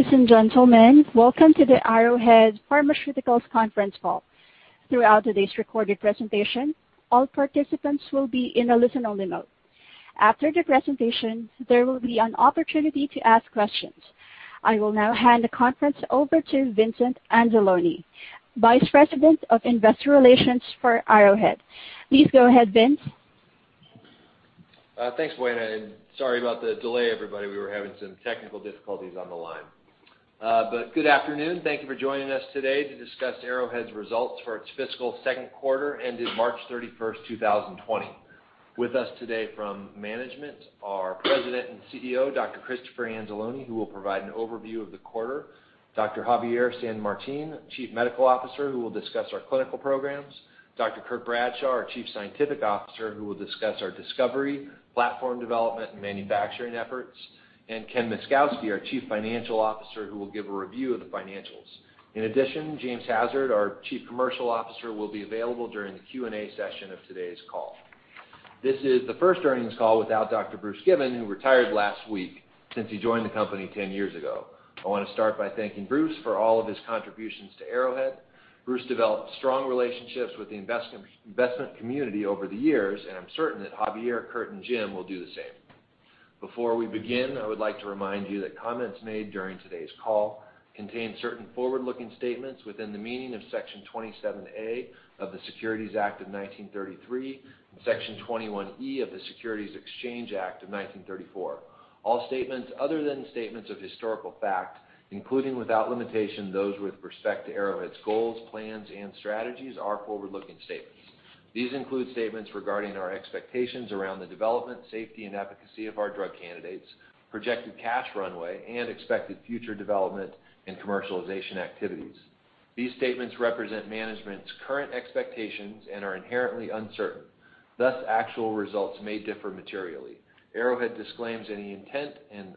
Ladies and gentlemen, welcome to the Arrowhead Pharmaceuticals conference call. Throughout today's recorded presentation, all participants will be in a listen-only mode. After the presentation, there will be an opportunity to ask questions. I will now hand the conference over to Vincent Anzalone, Vice President of Investor Relations for Arrowhead. Please go ahead, Vince. Thanks, Gwen. Sorry about the delay, everybody. We were having some technical difficulties on the line. Good afternoon. Thank you for joining us today to discuss Arrowhead's results for its fiscal second quarter ended March 31st, 2020. With us today from management are President and CEO, Dr. Christopher Anzalone, who will provide an overview of the quarter, Dr. Javier San Martin, Chief Medical Officer, who will discuss our clinical programs, Dr. Curt Bradshaw, our Chief Scientific Officer, who will discuss our discovery, platform development, and manufacturing efforts, and Ken Myszkowski, our Chief Financial Officer, who will give a review of the financials. In addition, James Hassard, our Chief Commercial Officer, will be available during the Q&A session of today's call. This is the first earnings call without Dr. Bruce Given, who retired last week, since he joined the company 10 years ago. I want to start by thanking Bruce for all of his contributions to Arrowhead. Bruce developed strong relationships with the investment community over the years, and I'm certain that Javier, Curt, and Jim will do the same. Before we begin, I would like to remind you that comments made during today's call contain certain forward-looking statements within the meaning of Section 27A of the Securities Act of 1933 and Section 21E of the Securities Exchange Act of 1934. All statements other than statements of historical fact, including, without limitation, those with respect to Arrowhead's goals, plans, and strategies are forward-looking statements. These include statements regarding our expectations around the development, safety, and efficacy of our drug candidates, projected cash runway, and expected future development and commercialization activities. These statements represent management's current expectations and are inherently uncertain. Thus, actual results may differ materially. Arrowhead disclaims any intent and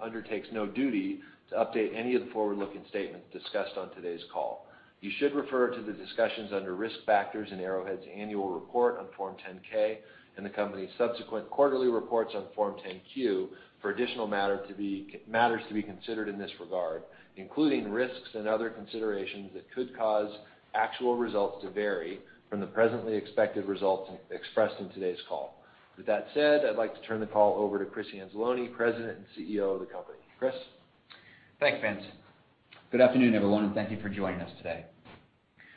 undertakes no duty to update any of the forward-looking statements discussed on today's call. You should refer to the discussions under Risk Factors in Arrowhead's annual report on Form 10-K and the company's subsequent quarterly reports on Form 10-Q for additional matters to be considered in this regard, including risks and other considerations that could cause actual results to vary from the presently expected results expressed in today's call. With that said, I'd like to turn the call over to Chris Anzalone, President and CEO of the company. Chris? Thanks, Vince. Good afternoon, everyone, and thank you for joining us today.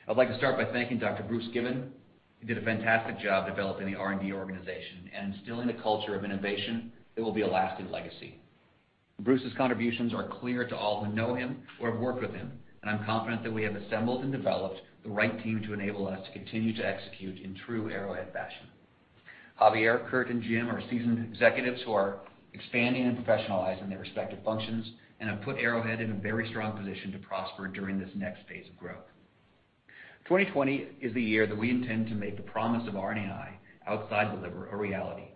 I'd like to start by thanking Dr. Bruce Given. He did a fantastic job developing the R&D organization and instilling a culture of innovation that will be a lasting legacy. Bruce's contributions are clear to all who know him or have worked with him, and I'm confident that we have assembled and developed the right team to enable us to continue to execute in true Arrowhead fashion. Javier, Curt, and Jim are seasoned executives who are expanding and professionalizing their respective functions and have put Arrowhead in a very strong position to prosper during this next phase of growth. 2020 is the year that we intend to make the promise of RNAi outside the liver a reality.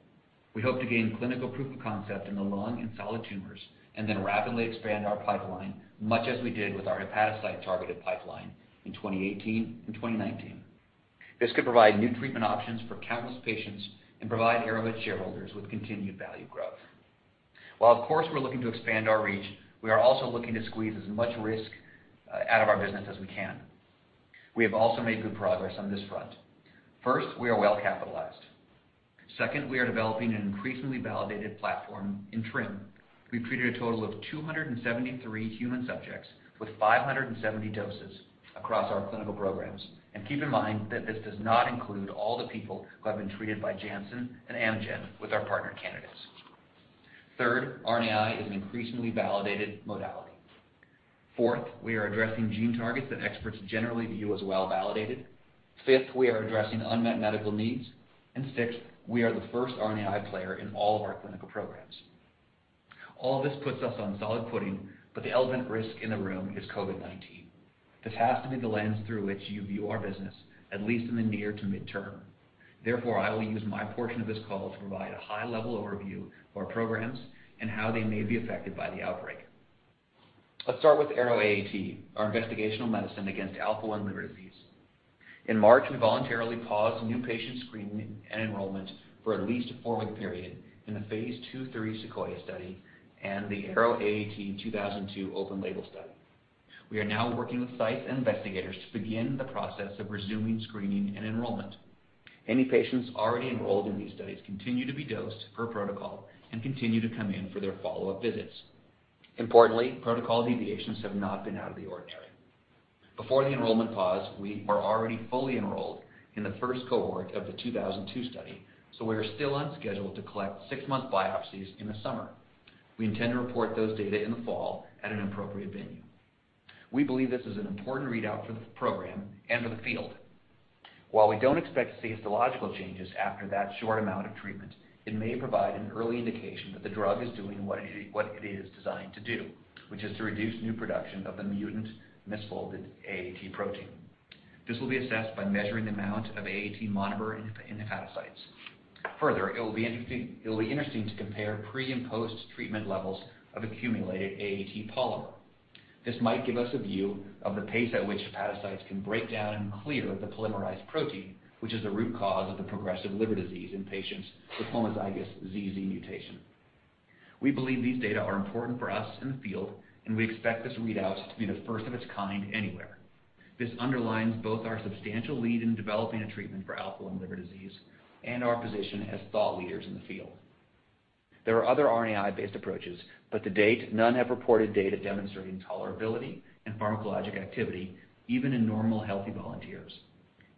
We hope to gain clinical proof of concept in the lung and solid tumors and then rapidly expand our pipeline, much as we did with our hepatocyte-targeted pipeline in 2018 and 2019. This could provide new treatment options for countless patients and provide Arrowhead shareholders with continued value growth. While of course, we're looking to expand our reach, we are also looking to squeeze as much risk out of our business as we can. We have also made good progress on this front. First, we are well-capitalized. Second, we are developing an increasingly validated platform in TRIM. We have treated a total of 273 human subjects with 570 doses across our clinical programs. Keep in mind that this does not include all the people who have been treated by Janssen and Amgen with our partner candidates. Third, RNAi is an increasingly validated modality. Fourth, we are addressing gene targets that experts generally view as well-validated. Fifth, we are addressing unmet medical needs, and sixth, we are the first RNAi player in all of our clinical programs. All this puts us on solid footing, the elephant risk in the room is COVID-19. This has to be the lens through which you view our business, at least in the near to midterm. Therefore, I will use my portion of this call to provide a high-level overview of our programs and how they may be affected by the outbreak. Let's start with ARO-AAT, our investigational medicine against alpha-1 liver disease. In March, we voluntarily paused new patient screening and enrollment for at least a four-week period in the phase II/III SEQUOIA Study and the AROAAT2002 open-label study. We are now working with sites and investigators to begin the process of resuming screening and enrollment. Any patients already enrolled in these studies continue to be dosed per protocol and continue to come in for their follow-up visits. Importantly, protocol deviations have not been out of the ordinary. Before the enrollment pause, we were already fully enrolled in the first cohort of the 2002 study, so we are still on schedule to collect six-month biopsies in the summer. We intend to report those data in the fall at an appropriate venue. We believe this is an important readout for the program and for the field. While we don't expect to see histological changes after that short amount of treatment, it may provide an early indication that the drug is doing what it is designed to do, which is to reduce new production of the mutant misfolded AAT protein. This will be assessed by measuring the amount of AAT monomer in the hepatocytes. Further, it will be interesting to compare pre and post-treatment levels of accumulated AAT polymer. This might give us a view of the pace at which hepatocytes can break down and clear the polymerized protein, which is the root cause of the progressive liver disease in patients with homozygous ZZ mutation. We believe these data are important for us in the field and we expect this readout to be the first of its kind anywhere. This underlines both our substantial lead in developing a treatment for alpha-1 liver disease and our position as thought leaders in the field. There are other RNAi-based approaches. To date, none have reported data demonstrating tolerability and pharmacologic activity, even in normal healthy volunteers.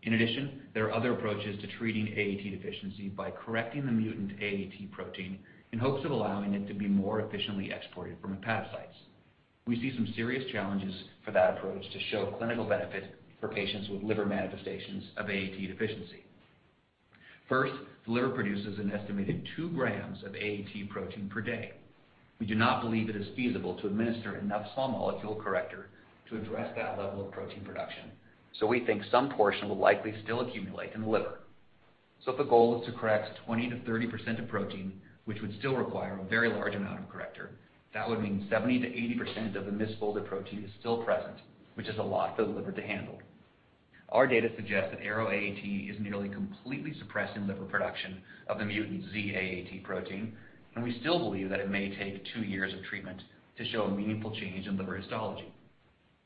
In addition, there are other approaches to treating AAT deficiency by correcting the mutant AAT protein in hopes of allowing it to be more efficiently exported from hepatocytes. We see some serious challenges for that approach to show clinical benefit for patients with liver manifestations of AAT deficiency. First, the liver produces an estimated 2 g of AAT protein per day. We do not believe it is feasible to administer enough small molecule corrector to address that level of protein production. We think some portion will likely still accumulate in the liver. If the goal is to correct 20% to 30% of protein, which would still require a very large amount of corrector, that would mean 70% to 80% of the misfolded protein is still present, which is a lot for the liver to handle. Our data suggests that ARO-AAT is nearly completely suppressing liver production of the mutant Z-AAT protein, and we still believe that it may take two years of treatment to show a meaningful change in liver histology.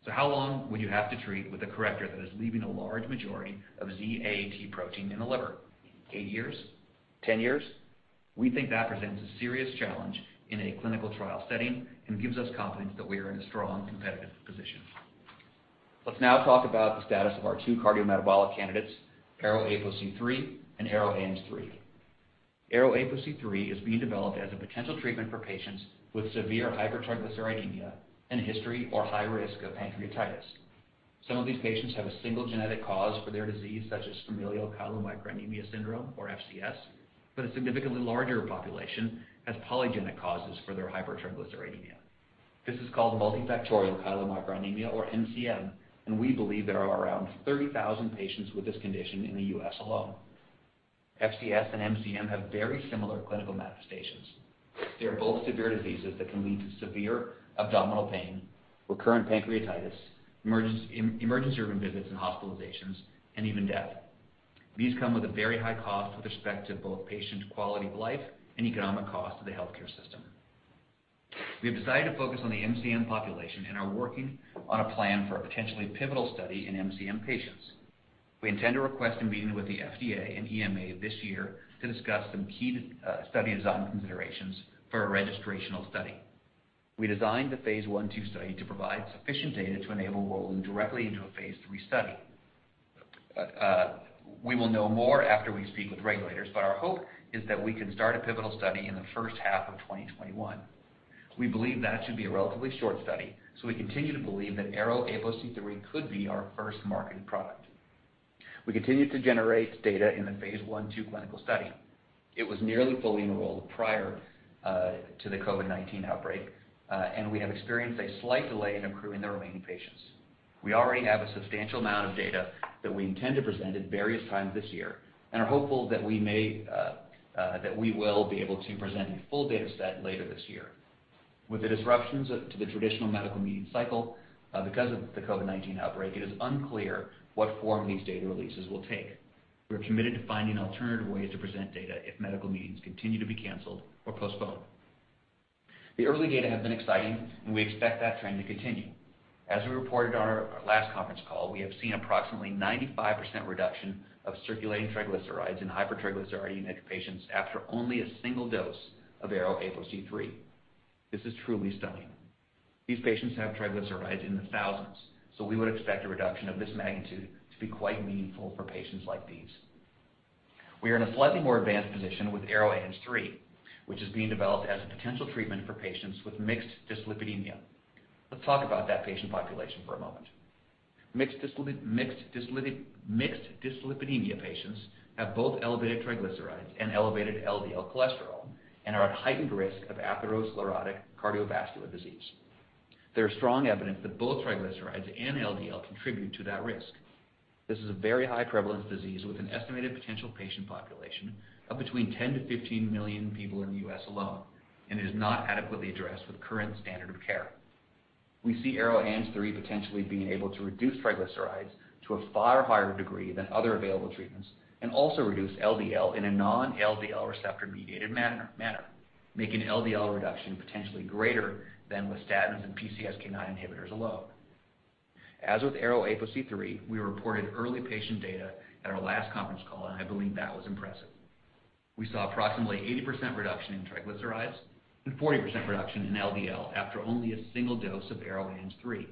How long would you have to treat with a corrector that is leaving a large majority of Z-AAT protein in the liver? Eight years? 10 years? We think that presents a serious challenge in a clinical trial setting and gives us confidence that we are in a strong competitive position. Let's now talk about the status of our two cardiometabolic candidates, ARO-APOC3 and ARO-ANG3. ARO-APOC3 is being developed as a potential treatment for patients with severe hypertriglyceridemia and a history or high risk of pancreatitis. Some of these patients have a single genetic cause for their disease, such as familial chylomicronemia syndrome, or FCS, but a significantly larger population has polygenic causes for their hypertriglyceridemia. This is called multifactorial chylomicronemia, or MCM, and we believe there are around 30,000 patients with this condition in the U.S. alone. FCS and MCM have very similar clinical manifestations. They're both severe diseases that can lead to severe abdominal pain, recurrent pancreatitis, emergency room visits and hospitalizations, and even death. These come with a very high cost with respect to both patient quality of life and economic cost to the healthcare system. We have decided to focus on the MCM population and are working on a plan for a potentially pivotal study in MCM patients. We intend to request a meeting with the FDA and EMA this year to discuss some key study design considerations for a registrational study. We designed the phase I/II study to provide sufficient data to enable rolling directly into a phase III study. We will know more after we speak with regulators. Our hope is that we can start a pivotal study in the first half of 2021. We believe that should be a relatively short study. We continue to believe that ARO-APOC3 could be our first marketed product. We continue to generate data in the phase I/II clinical study. It was nearly fully enrolled prior to the COVID-19 outbreak. We have experienced a slight delay in accruing the remaining patients. We already have a substantial amount of data that we intend to present at various times this year and are hopeful that we will be able to present a full data set later this year. With the disruptions to the traditional medical meeting cycle because of the COVID-19 outbreak, it is unclear what form these data releases will take. We are committed to finding alternative ways to present data if medical meetings continue to be canceled or postponed. The early data have been exciting and we expect that trend to continue. As we reported on our last conference call, we have seen approximately 95% reduction of circulating triglycerides in hypertriglyceridemic patients after only a single dose of ARO-APOC3. This is truly stunning. These patients have triglycerides in the thousands, so we would expect a reduction of this magnitude to be quite meaningful for patients like these. We are in a slightly more advanced position with ARO-ANG3, which is being developed as a potential treatment for patients with mixed dyslipidemia. Let's talk about that patient population for a moment. Mixed dyslipidemia patients have both elevated triglycerides and elevated LDL cholesterol and are at heightened risk of atherosclerotic cardiovascular disease. There is strong evidence that both triglycerides and LDL contribute to that risk. This is a very high prevalence disease with an estimated potential patient population of between 10 million to 15 million people in the U.S. alone. It is not adequately addressed with current standard of care. We see ARO-ANG3 potentially being able to reduce triglycerides to a far higher degree than other available treatments and also reduce LDL in a non-LDL receptor-mediated manner, making LDL reduction potentially greater than with statins and PCSK9 inhibitors alone. As with ARO-APOC3, we reported early patient data at our last conference call, and I believe that was impressive. We saw approximately 80% reduction in triglycerides and 40% reduction in LDL after only a single dose of ARO-ANG3.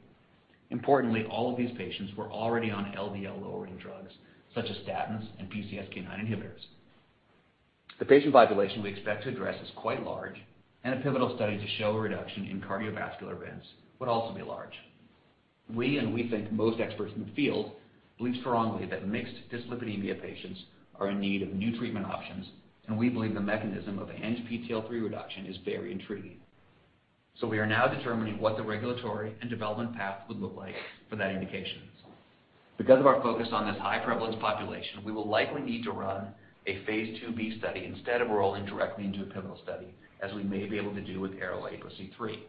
Importantly, all of these patients were already on LDL-lowering drugs such as statins and PCSK9 inhibitors. The patient population we expect to address is quite large, and a pivotal study to show a reduction in cardiovascular events would also be large. We, and we think most experts in the field, believe strongly that mixed dyslipidemia patients are in need of new treatment options, and we believe the mechanism of ANGPTL3 reduction is very intriguing. We are now determining what the regulatory and development path would look like for that indication. Because of our focus on this high-prevalence population, we will likely need to run a phase IIb study instead of rolling directly into a pivotal study, as we may be able to do with ARO-APOC3.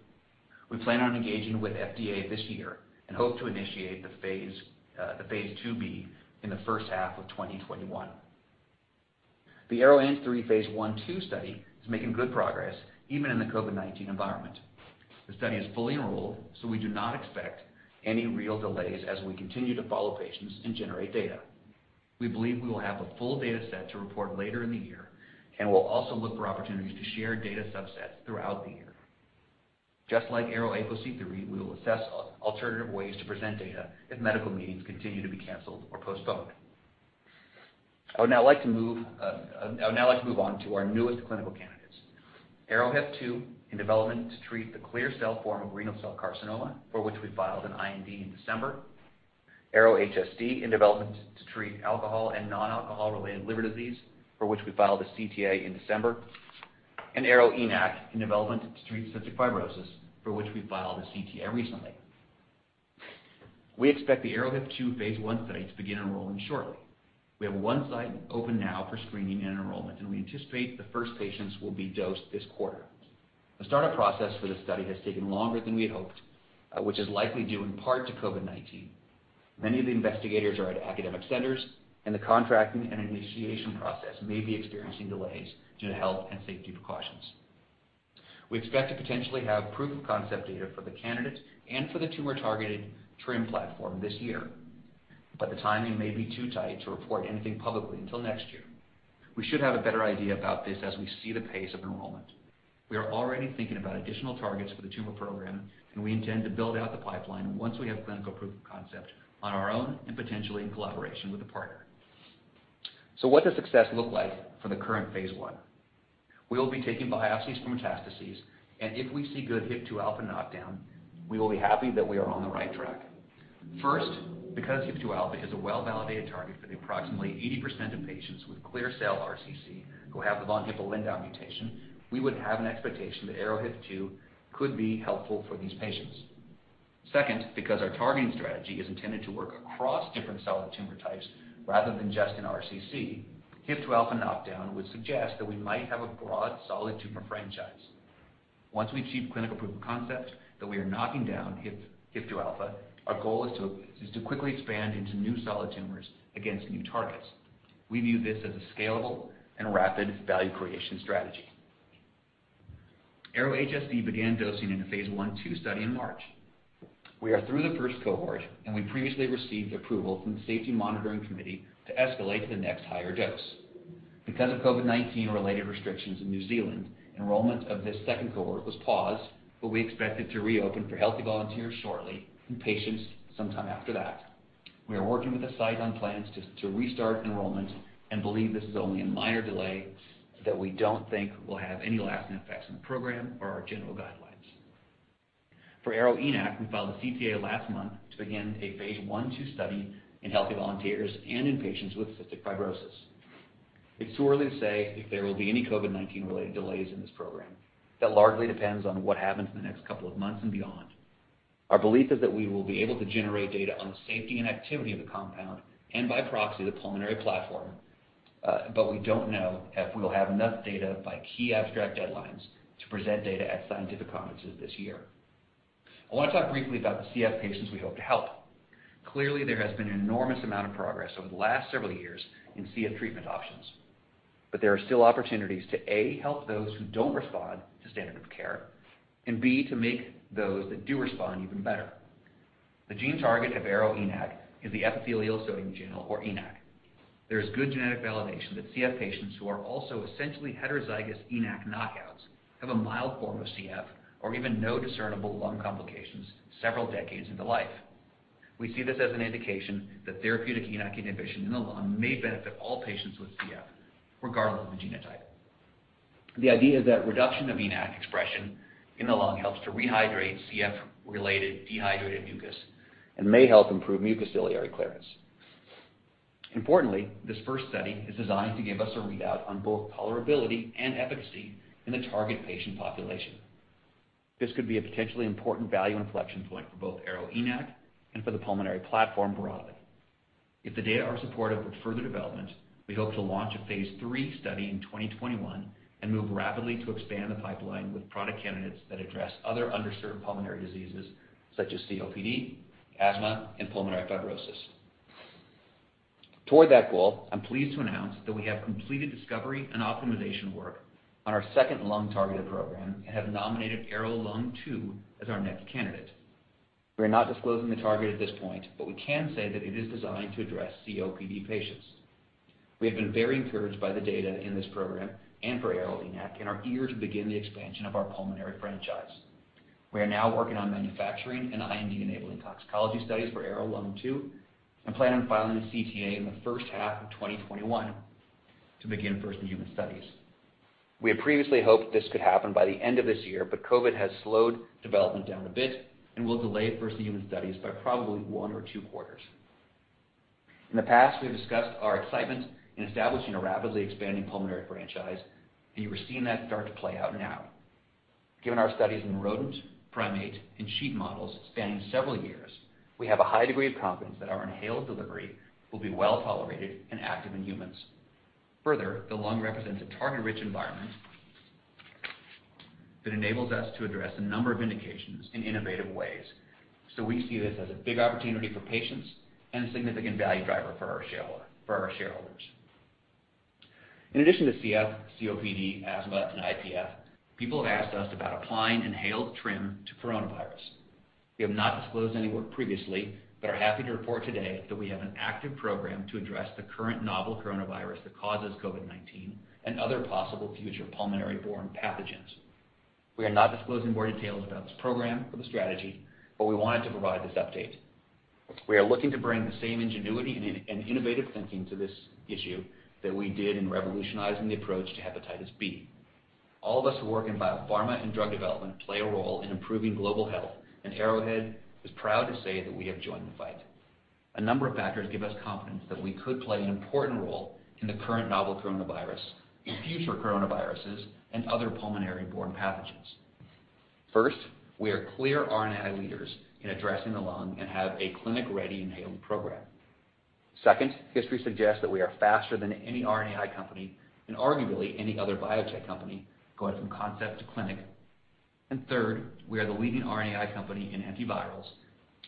We plan on engaging with FDA this year and hope to initiate the phase IIb in the first half of 2021. The ARO-ANG3 phase I/II study is making good progress even in the COVID-19 environment. The study is fully enrolled, so we do not expect any real delays as we continue to follow patients and generate data. We believe we will have a full data set to report later in the year, and we'll also look for opportunities to share data subsets throughout the year. Just like ARO-APOC3, we will assess alternative ways to present data if medical meetings continue to be canceled or postponed. I would now like to move on to our newest clinical candidates. ARO-HIF2, in development to treat the clear cell form of renal cell carcinoma, for which we filed an IND in December. ARO-HSD, in development to treat alcohol and nonalcohol-related liver diseases, for which we filed a CTA in December. ARO-ENaC, in development to treat cystic fibrosis, for which we filed a CTA recently. We expect the ARO-HIF2 phase I study to begin enrolling shortly. We have one site open now for screening and enrollment, and we anticipate the first patients will be dosed this quarter. The startup process for this study has taken longer than we had hoped, which is likely due in part to COVID-19. Many of the investigators are at academic centers, and the contracting and initiation process may be experiencing delays due to health and safety precautions. We expect to potentially have proof of concept data for the candidate and for the tumor-targeted TRiM platform this year. The timing may be too tight to report anything publicly until next year. We should have a better idea about this as we see the pace of enrollment. We are already thinking about additional targets for the tumor program, we intend to build out the pipeline once we have clinical proof of concept on our own and potentially in collaboration with a partner. What does success look like for the current phase I? We will be taking biopsies from metastases, if we see good HIF-2 alpha knockdown, we will be happy that we are on the right track. First, because HIF-2 alpha is a well-validated target for the approximately 80% of patients with clear cell RCC who have the von Hippel-Lindau mutation, we would have an expectation that ARO-HIF2 could be helpful for these patients. Second, because our targeting strategy is intended to work across different solid tumor types rather than just in RCC, HIF-2 alpha knockdown would suggest that we might have a broad solid tumor franchise. Once we achieve clinical proof of concept that we are knocking down HIF-2 alpha, our goal is to quickly expand into new solid tumors against new targets. We view this as a scalable and rapid value creation strategy. ARO-HSD began dosing in a phase I/II study in March. We are through the first cohort, and we previously received approval from the Safety Monitoring Committee to escalate to the next higher dose. Because of COVID-19-related restrictions in New Zealand, enrollment of this second cohort was paused, but we expect it to reopen for healthy volunteers shortly and patients sometime after that. We are working with the site on plans to restart enrollment and believe this is only a minor delay that we don't think will have any lasting effects on the program or our general guidelines. For ARO-ENaC, we filed a CTA last month to begin a phase I/II study in healthy volunteers and in patients with cystic fibrosis. It's too early to say if there will be any COVID-19-related delays in this program. That largely depends on what happens in the next couple of months and beyond. Our belief is that we will be able to generate data on the safety and activity of the compound and by proxy the pulmonary platform. We don't know if we will have enough data by key abstract deadlines to present data at scientific conferences this year. I want to talk briefly about the CF patients we hope to help. Clearly, there has been an enormous amount of progress over the last several years in CF treatment options. There are still opportunities to, A, help those who don't respond to standard of care, and B, to make those that do respond even better. The gene target of ARO-ENaC is the epithelial sodium channel or ENaC. There is good genetic validation that CF patients who are also essentially heterozygous ENaC knockouts have a mild form of CF or even no discernible lung complications several decades into life. We see this as an indication that therapeutic ENaC inhibition in the lung may benefit all patients with CF, regardless of genotype. The idea is that reduction of ENaC expression in the lung helps to rehydrate CF-related dehydrated mucus and may help improve mucociliary clearance. Importantly, this first study is designed to give us a readout on both tolerability and efficacy in the target patient population. This could be a potentially important value inflection point for both ARO-ENaC and for the pulmonary platform broadly. If the data are supportive of further development, we hope to launch a phase III study in 2021 and move rapidly to expand the pipeline with product candidates that address other underserved pulmonary diseases such as COPD, asthma, and pulmonary fibrosis. Toward that goal, I'm pleased to announce that we have completed discovery and optimization work on our second lung-targeted program and have nominated ARO-Lung2 as our next candidate. We are not disclosing the target at this point, but we can say that it is designed to address COPD patients. We have been very encouraged by the data in this program and for ARO-ENaC and are eager to begin the expansion of our pulmonary franchise. We are now working on manufacturing and IND-enabling toxicology studies for ARO-Lung2 and plan on filing a CTA in the first half of 2021 to begin first-in-human studies. We had previously hoped this could happen by the end of this year, but COVID has slowed development down a bit and will delay first-in-human studies by probably one or two quarters. In the past, we have discussed our excitement in establishing a rapidly expanding pulmonary franchise, and you are seeing that start to play out now. Given our studies in rodent, primate, and sheep models spanning several years, we have a high degree of confidence that our inhaled delivery will be well-tolerated and active in humans. Further, the lung represents a target-rich environment that enables us to address a number of indications in innovative ways. We see this as a big opportunity for patients and a significant value driver for our shareholders. In addition to CF, COPD, asthma, and IPF, people have asked us about applying inhaled TRiM to coronavirus. We have not disclosed any work previously but are happy to report today that we have an active program to address the current novel coronavirus that causes COVID-19 and other possible future pulmonary-borne pathogens. We are not disclosing more details about this program or the strategy but we wanted to provide this update. We are looking to bring the same ingenuity and innovative thinking to this issue that we did in revolutionizing the approach to hepatitis B. All of us who work in biopharma and drug development play a role in improving global health and Arrowhead is proud to say that we have joined the fight. A number of factors give us confidence that we could play an important role in the current novel coronavirus, in future coronaviruses, and other pulmonary-borne pathogens. First, we are clear RNAi leaders in addressing the lung and have a clinic-ready inhaled program. Second, history suggests that we are faster than any RNAi company and arguably any other biotech company going from concept to clinic. Third, we are the leading RNAi company in antivirals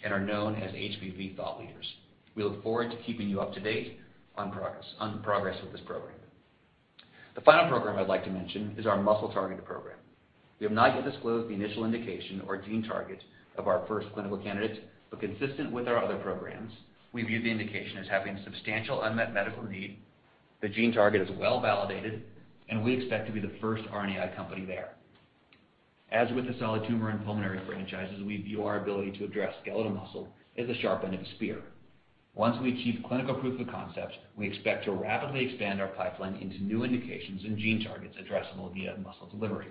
and are known as HBV thought leaders. We look forward to keeping you up to date on progress with this program. The final program I'd like to mention is our muscle-targeted program. We have not yet disclosed the initial indication or gene target of our first clinical candidate, but consistent with our other programs, we view the indication as having substantial unmet medical need, the gene target is well-validated, and we expect to be the first RNAi company there. As with the solid tumor and pulmonary franchises, we view our ability to address skeletal muscle as the sharp end of the spear. Once we achieve clinical proof of concept, we expect to rapidly expand our pipeline into new indications and gene targets addressable via muscle delivery.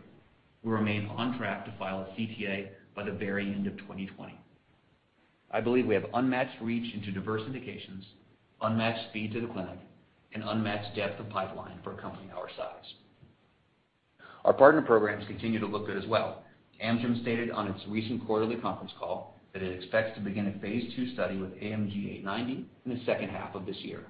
We remain on track to file a CTA by the very end of 2020. I believe we have unmatched reach into diverse indications, unmatched speed to the clinic, and unmatched depth of pipeline for a company our size. Our partner programs continue to look good as well. Amgen stated on its recent quarterly conference call that it expects to begin a phase II study with AMG 890 in the second half of this year.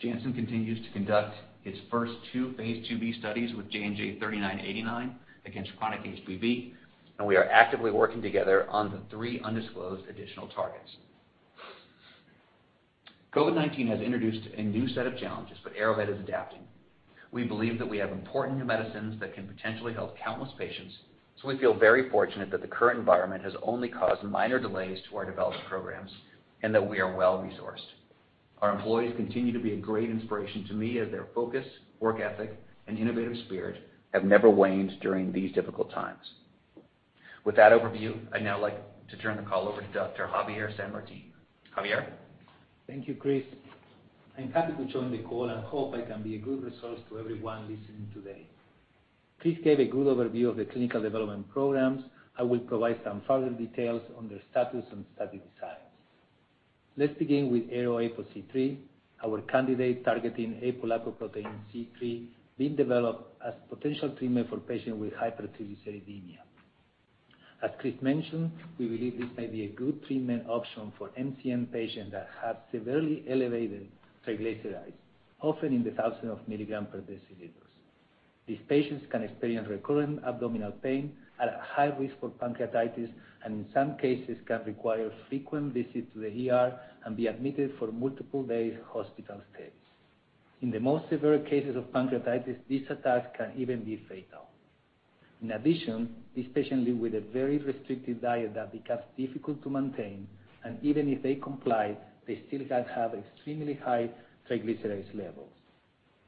Janssen continues to conduct its first two phase IIb studies with JNJ-3989 against chronic HBV. We are actively working together on the three undisclosed additional targets. COVID-19 has introduced a new set of challenges but Arrowhead is adapting. We believe that we have important new medicines that can potentially help countless patients. We feel very fortunate that the current environment has only caused minor delays to our development programs and that we are well-resourced. Our employees continue to be a great inspiration to me as their focus, work ethic, and innovative spirit have never waned during these difficult times. With that overview, I'd now like to turn the call over to Dr. Javier San Martin. Javier? Thank you, Chris. I'm happy to join the call and hope I can be a good resource to everyone listening today. Chris gave a good overview of the clinical development programs. I will provide some further details on their status and study designs. Let's begin with ARO-APOC3, our candidate targeting apolipoprotein C3 being developed as potential treatment for patients with hypertriglyceridemia. As Chris mentioned, we believe this may be a good treatment option for MCM patients that have severely elevated triglycerides, often in the 1,000 of mg/dL. These patients can experience recurrent abdominal pain, are at high risk for pancreatitis, and in some cases can require frequent visits to the ER and be admitted for multiple-day hospital stays. In the most severe cases of pancreatitis, these attacks can even be fatal. In addition, these patients live with a very restrictive diet that becomes difficult to maintain, and even if they comply, they still can have extremely high triglycerides levels.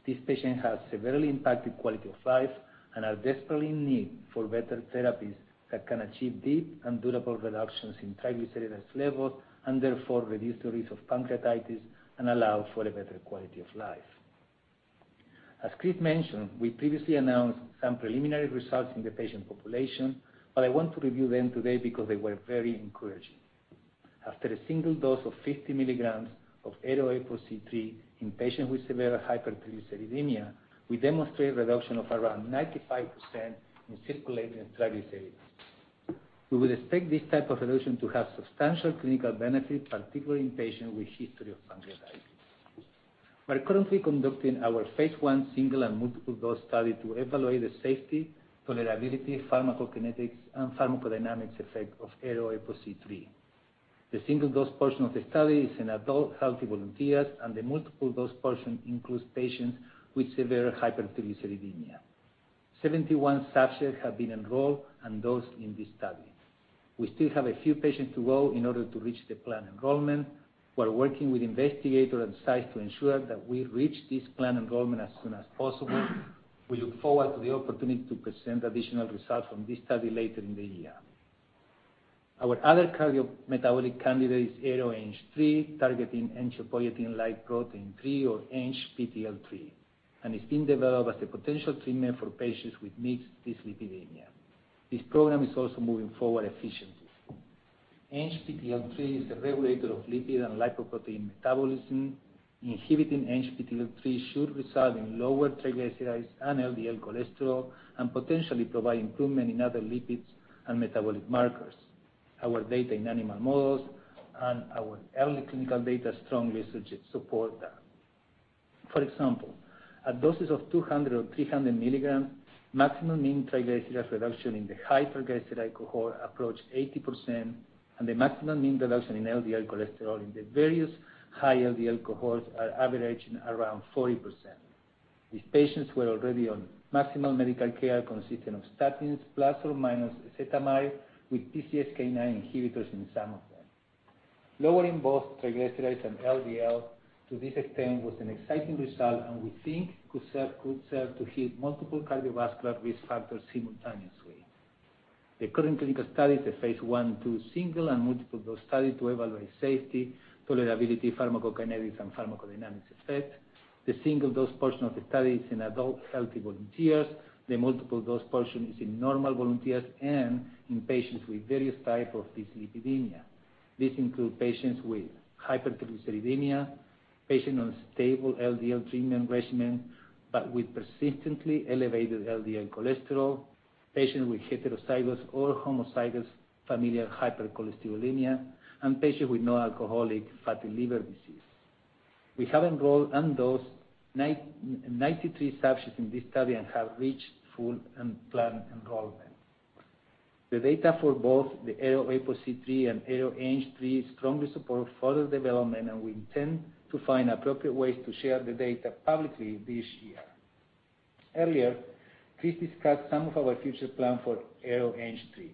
These patients have severely impacted quality of life and are desperately in need for better therapies that can achieve deep and durable reductions in triglycerides levels, and therefore reduce the risk of pancreatitis and allow for a better quality of life. As Chris mentioned, we previously announced some preliminary results in the patient population, but I want to review them today because they were very encouraging. After a single dose of 50 mg of ARO-APOC3 in patients with severe hypertriglyceridemia, we demonstrated reduction of around 95% in circulating triglycerides. We would expect this type of reduction to have substantial clinical benefit, particularly in patients with a history of pancreatitis. We're currently conducting our phase I single and multiple dose study to evaluate the safety, tolerability, pharmacokinetics, and pharmacodynamics effect of ARO-APOC3. The single-dose portion of the study is in adult healthy volunteers, and the multiple-dose portion includes patients with severe hypertriglyceridemia. 71 subjects have been enrolled and dosed in this study. We still have a few patients to go in order to reach the planned enrollment. We're working with investigators on-site to ensure that we reach this planned enrollment as soon as possible. We look forward to the opportunity to present additional results from this study later in the year. Our other cardiometabolic candidate is ARO-ANG3, targeting angiopoietin-like protein 3 or ANGPTL3, and it's being developed as a potential treatment for patients with mixed dyslipidemia. This program is also moving forward efficiently. ANGPTL3 is a regulator of lipid and lipoprotein metabolism. Inhibiting ANGPTL3 should result in lower triglycerides and LDL cholesterol, and potentially provide improvement in other lipids and metabolic markers. Our data in animal models and our early clinical data strongly support that. For example, at doses of 200 mg or 300 mg, maximum mean triglyceride reduction in the high triglyceride cohort approached 80%, and the maximum mean reduction in LDL cholesterol in the various high LDL cohorts are averaging around 40%. These patients were already on maximal medical care consisting of statins plus or minus ezetimibe, with PCSK9 inhibitors in some of them. Lowering both triglycerides and LDL to this extent was an exciting result, and we think could serve to hit multiple cardiovascular risk factors simultaneously. The current clinical study is a phase I/II single and multiple-dose study to evaluate safety, tolerability, pharmacokinetics, and pharmacodynamics effect. The single-dose portion of the study is in adult healthy volunteers. The multiple-dose portion is in normal volunteers and in patients with various types of dyslipidemia. This includes patients with hypertriglyceridemia, patients on stable LDL treatment regimen but with persistently elevated LDL cholesterol, patients with heterozygous or homozygous familial hypercholesterolemia, and patients with non-alcoholic fatty liver disease. We have enrolled and dosed 93 subjects in this study and have reached full and planned enrollment. The data for both the ARO-APOC3 and ARO-ANG3 strongly support further development, and we intend to find appropriate ways to share the data publicly this year. Earlier, Chris discussed some of our future plan for ARO-ANG3.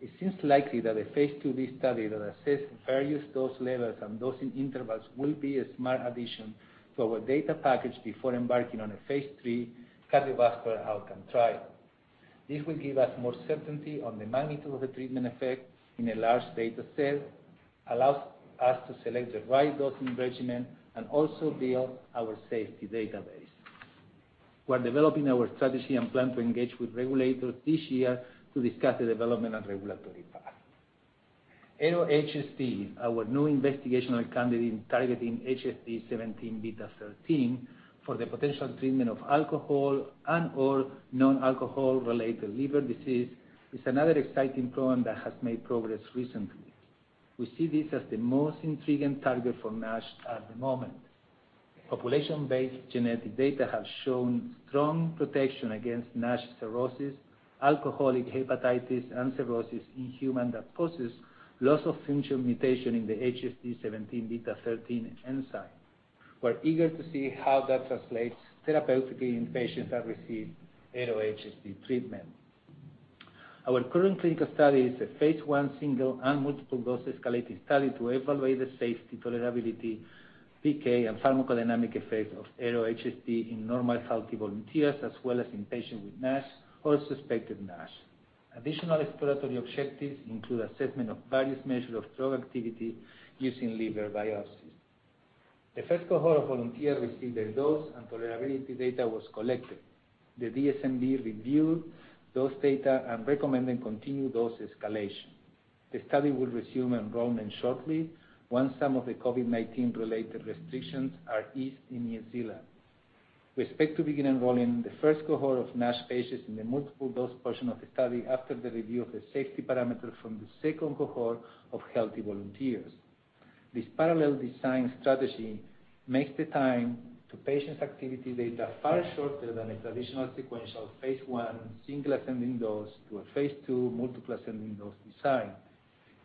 It seems likely that a phase IIb study that assess various dose levels and dosing intervals will be a smart addition to our data package before embarking on a phase III cardiovascular outcome trial. This will give us more certainty on the magnitude of the treatment effect in a large data set, allows us to select the right dosing regimen, and also build our safety database. We are developing our strategy and plan to engage with regulators this year to discuss the development and regulatory path. ARO-HSD, our new investigational candidate targeting HSD17B13 for the potential treatment of alcohol and/or non-alcohol related liver disease, is another exciting program that has made progress recently. We see this as the most intriguing target for NASH at the moment. Population-based genetic data have shown strong protection against NASH cirrhosis, alcoholic hepatitis and cirrhosis in humans that possess loss of function mutation in the HSD17B13 enzyme. We're eager to see how that translates therapeutically in patients that receive ARO-HSD treatment. Our current clinical study is a phase I single and multiple-dose escalating study to evaluate the safety, tolerability, PK, and pharmacodynamic effect of ARO-HSD in normal healthy volunteers, as well as in patients with NASH or suspected NASH. Additional exploratory objectives include assessment of various measures of drug activity using liver biopsies. The first cohort of volunteers received their dose and tolerability data was collected. The DSMB reviewed those data and recommended continued dose escalation. The study will resume enrollment shortly once some of the COVID-19 related restrictions are eased in New Zealand. We expect to begin enrolling the first cohort of NASH patients in the multiple-dose portion of the study after the review of the safety parameters from the second cohort of healthy volunteers. This parallel design strategy makes the time to patients' activity data far shorter than a traditional sequential phase I, single ascending dose to a phase II multiple ascending dose design.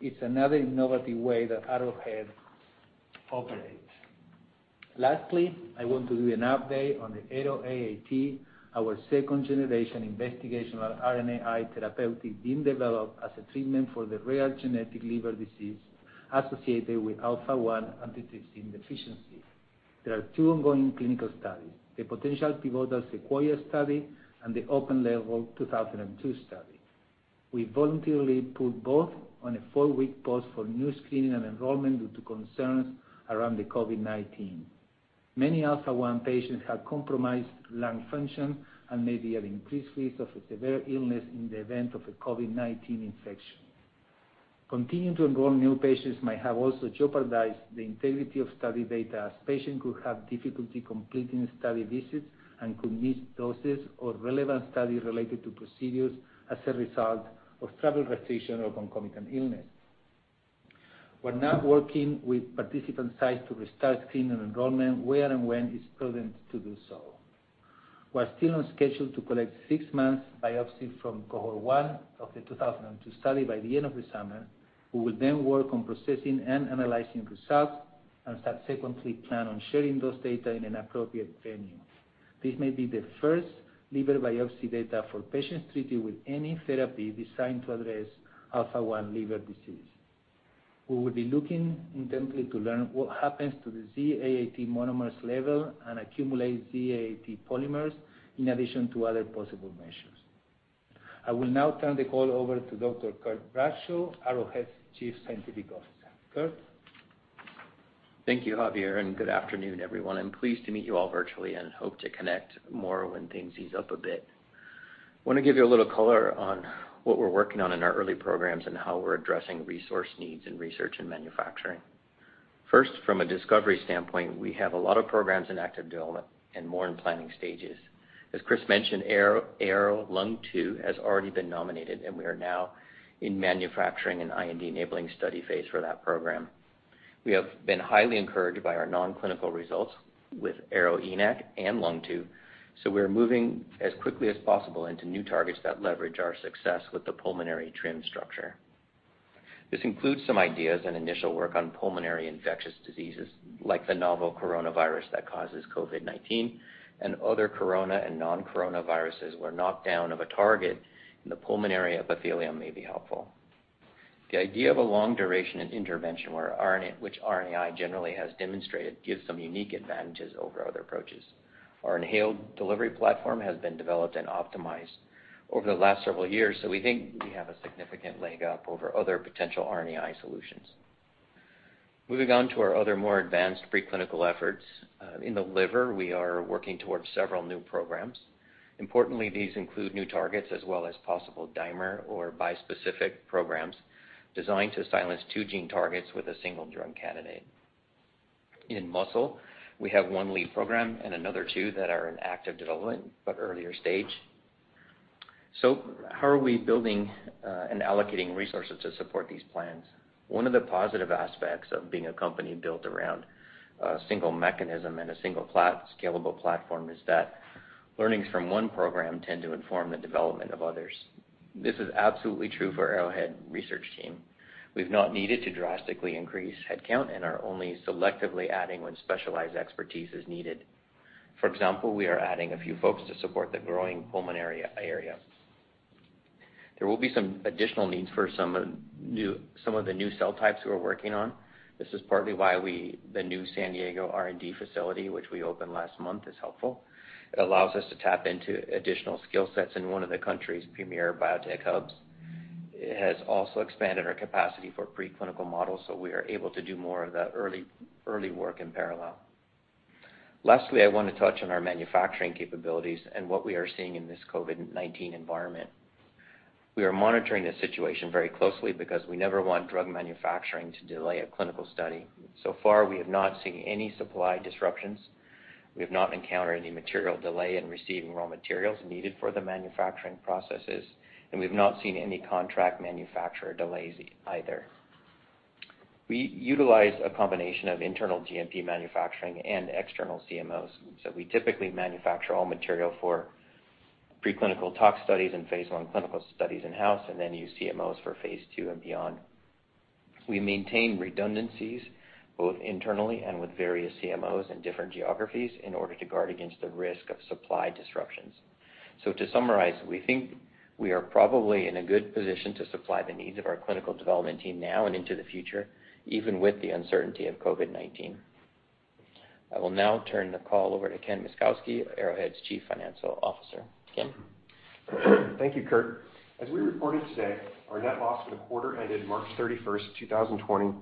It's another innovative way that Arrowhead operates. Lastly, I want to do an update on the ARO-AAT, our second-generation investigational RNAi therapeutic being developed as a treatment for the rare genetic liver disease associated with alpha-1 antitrypsin deficiency. There are two ongoing clinical studies, the potential pivotal SEQUOIA study and the open-label 2002 study. We voluntarily put both on a four-week pause for new screening and enrollment due to concerns around the COVID-19. Many alpha-1 patients have compromised lung function and may be at increased risk of a severe illness in the event of a COVID-19 infection. Continuing to enroll new patients might have also jeopardized the integrity of study data, as patients could have difficulty completing study visits and could miss doses or relevant studies related to procedures as a result of travel restriction or concomitant illness. We're now working with participant sites to restart screening and enrollment where and when it's prudent to do so. We are still on schedule to collect six months biopsies from cohort one of the 2002 study by the end of the summer. We will then work on processing and analyzing results, and subsequently plan on sharing those data in an appropriate venue. This may be the first liver biopsy data for patients treated with any therapy designed to address alpha-1 liver disease. We will be looking intently to learn what happens to the Z-AAT monomers level and accumulate Z-AAT polymers in addition to other possible measures. I will now turn the call over to Dr. Curt Bradshaw, Arrowhead's Chief Scientific Officer. Curt? Thank you, Javier, and good afternoon, everyone. I'm pleased to meet you all virtually and hope to connect more when things ease up a bit. I want to give you a little color on what we're working on in our early programs and how we're addressing resource needs in research and manufacturing. First, from a discovery standpoint, we have a lot of programs in active development and more in planning stages. As Chris mentioned, ARO-Lung2 has already been nominated, and we are now in manufacturing an IND-enabling study phase for that program. We have been highly encouraged by our non-clinical results with ARO-ENaC and Lung2, so we're moving as quickly as possible into new targets that leverage our success with the pulmonary TRiM structure. This includes some ideas and initial work on pulmonary infectious diseases, like the novel coronavirus that causes COVID-19 and other corona and non-coronaviruses where knockdown of a target in the pulmonary epithelium may be helpful. The idea of a long duration in intervention which RNAi generally has demonstrated gives some unique advantages over other approaches. Our inhaled delivery platform has been developed and optimized over the last several years. We think we have a significant leg up over other potential RNAi solutions. Moving on to our other more advanced pre-clinical efforts. In the liver, we are working towards several new programs. Importantly, these include new targets as well as possible dimer or bispecific programs designed to silence two gene targets with a single drug candidate. In muscle, we have one lead program and another two that are in active development, but earlier stage. How are we building and allocating resources to support these plans? One of the positive aspects of being a company built around a single mechanism and a single scalable platform is that learnings from one program tend to inform the development of others. This is absolutely true for Arrowhead research team. We have not needed to drastically increase headcount and are only selectively adding when specialized expertise is needed. For example, we are adding a few folks to support the growing pulmonary area. There will be some additional needs for some of the new cell types that we're working on. This is partly why the new San Diego R&D facility, which we opened last month, is helpful. It allows us to tap into additional skill sets in one of the country's premier biotech hubs. It has also expanded our capacity for pre-clinical models, so we are able to do more of the early work in parallel. Lastly, I want to touch on our manufacturing capabilities and what we are seeing in this COVID-19 environment. We are monitoring the situation very closely because we never want drug manufacturing to delay a clinical study. So far, we have not seen any supply disruptions. We have not encountered any material delay in receiving raw materials needed for the manufacturing processes, and we've not seen any contract manufacturer delays either. We utilize a combination of internal GMP manufacturing and external CMOs. We typically manufacture all material for pre-clinical tox studies and phase I clinical studies in-house and then use CMOs for phase II and beyond. We maintain redundancies both internally and with various CMOs in different geographies in order to guard against the risk of supply disruptions. To summarize, we think we are probably in a good position to supply the needs of our clinical development team now and into the future, even with the uncertainty of COVID-19. I will now turn the call over to Ken Myszkowski, Arrowhead's Chief Financial Officer. Ken? Thank you, Curt. As we reported today, our net loss for the quarter ended March 31st, 2020,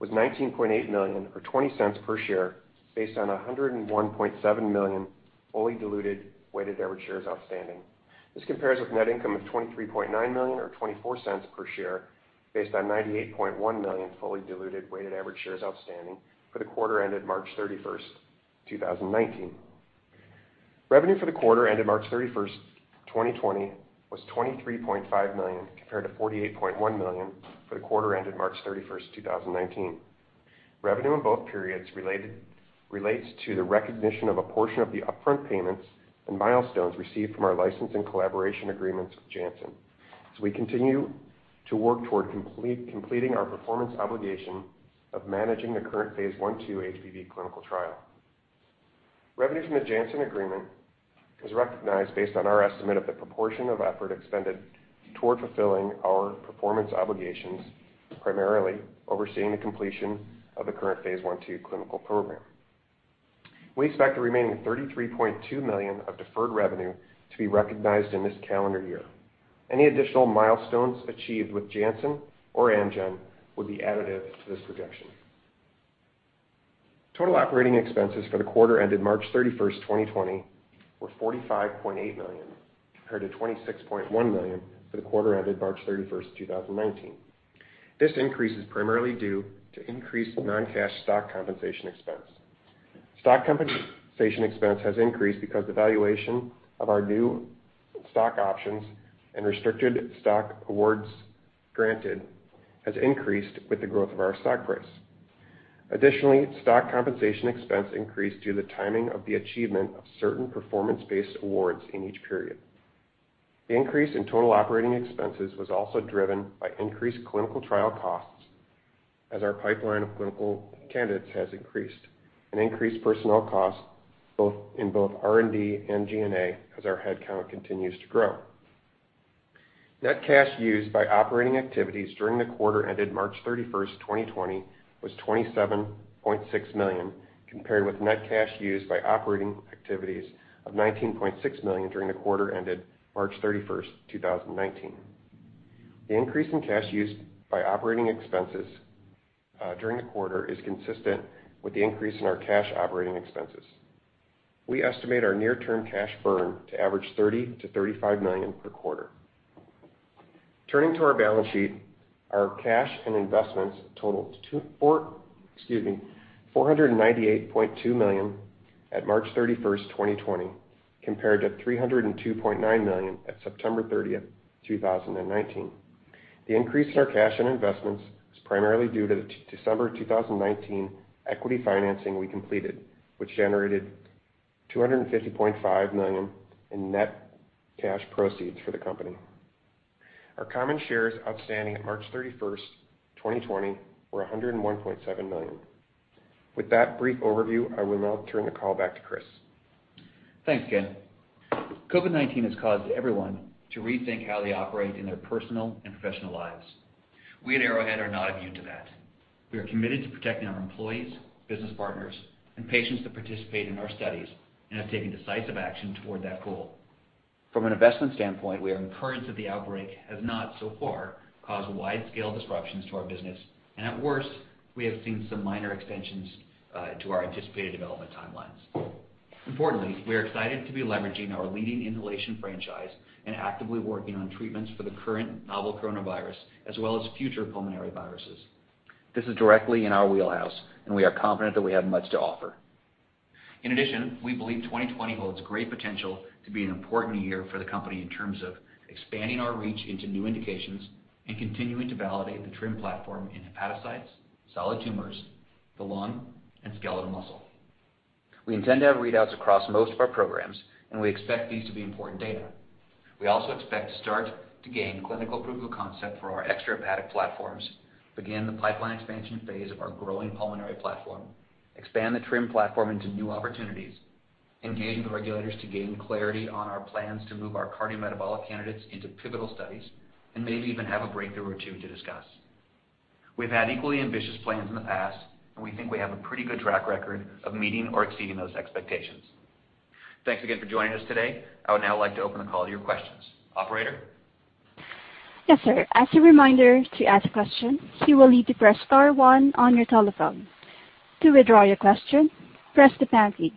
was $19.8 million or $0.20 per share based on 101.7 million fully diluted weighted average shares outstanding. This compares with net income of $23.9 million or $0.24 per share based on 98.1 million fully diluted weighted average shares outstanding for the quarter ended March 31st, 2019. Revenue for the quarter ended March 31st, 2020, was $23.5 million compared to $48.1 million for the quarter ended March 31st, 2019. Revenue in both periods relates to the recognition of a portion of the upfront payments and milestones received from our license and collaboration agreements with Janssen. We continue to work toward completing our performance obligation of managing the current phase I/II HBV clinical trial. Revenue from the Janssen agreement is recognized based on our estimate of the proportion of effort expended toward fulfilling our performance obligations, primarily overseeing the completion of the current phase I/II clinical program. We expect the remaining $33.2 million of deferred revenue to be recognized in this calendar year. Any additional milestones achieved with Janssen or Amgen would be additive to this projection. Total operating expenses for the quarter ended March 31st, 2020, were $45.8 million compared to $26.1 million for the quarter ended March 31st, 2019. This increase is primarily due to increased non-cash stock compensation expense. Stock compensation expense has increased because the valuation of our new stock options and restricted stock awards granted has increased with the growth of our stock price. Additionally, stock compensation expense increased due to the timing of the achievement of certain performance-based awards in each period. The increase in total operating expenses was also driven by increased clinical trial costs as our pipeline of clinical candidates has increased and increased personnel costs in both R&D and G&A as our headcount continues to grow. Net cash used by operating activities during the quarter ended March 31st, 2020, was $27.6 million, compared with net cash used by operating activities of $19.6 million during the quarter ended March 31st, 2019. The increase in cash used by operating expenses during the quarter is consistent with the increase in our cash operating expenses. We estimate our near-term cash burn to average $30 million to $35 million per quarter. Turning to our balance sheet, our cash and investments totaled $498.2 million at March 31st, 2020, compared to $302.9 million at September 30th, 2019. The increase in our cash and investments is primarily due to the December 2019 equity financing we completed, which generated $250.5 million in net cash proceeds for the company. Our common shares outstanding at March 31st, 2020, were 101.7 million. With that brief overview, I will now turn the call back to Chris. Thanks, Ken. COVID-19 has caused everyone to rethink how they operate in their personal and professional lives. We at Arrowhead are not immune to that. We are committed to protecting our employees, business partners, and patients that participate in our studies and have taken decisive action toward that goal. From an investment standpoint, we are encouraged that the outbreak has not so far caused wide-scale disruptions to our business, and at worst, we have seen some minor extensions to our anticipated development timelines. Importantly, we are excited to be leveraging our leading inhalation franchise and actively working on treatments for the current novel coronavirus as well as future pulmonary viruses. This is directly in our wheelhouse, and we are confident that we have much to offer. In addition, we believe 2020 holds great potential to be an important year for the company in terms of expanding our reach into new indications, and continuing to validate the TRiM platform in hepatocytes, solid tumors, the lung, and skeletal muscle. We intend to have readouts across most of our programs, and we expect these to be important data. We also expect to start to gain clinical proof of concept for our extrahepatic platforms, begin the pipeline expansion phase of our growing pulmonary platform, expand the TRIM platform into new opportunities, engage with regulators to gain clarity on our plans to move our cardiometabolic candidates into pivotal studies, and maybe even have a breakthrough or two to discuss. We've had equally ambitious plans in the past, and we think we have a pretty good track record of meeting or exceeding those expectations. Thanks again for joining us today. I would now like to open the call to your questions. Operator? Yes, sir. As a reminder, to ask a question, you will need to press star one on your telephone. To withdraw your question, press the pound key.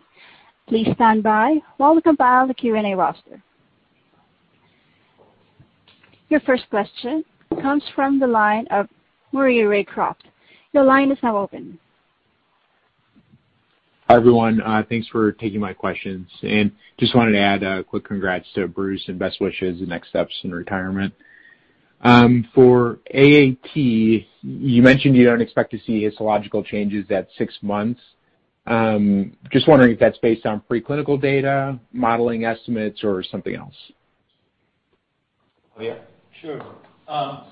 Please stand by while we compile the Q&A roster. Your first question comes from the line of Maury Raycroft. Your line is now open. Hi, everyone. Thanks for taking my questions, and just wanted to add a quick congrats to Bruce and best wishes in next steps in retirement. For AAT, you mentioned you don't expect to see histological changes at six months. I'm just wondering if that's based on pre-clinical data, modeling estimates, or something else. Javier? Sure,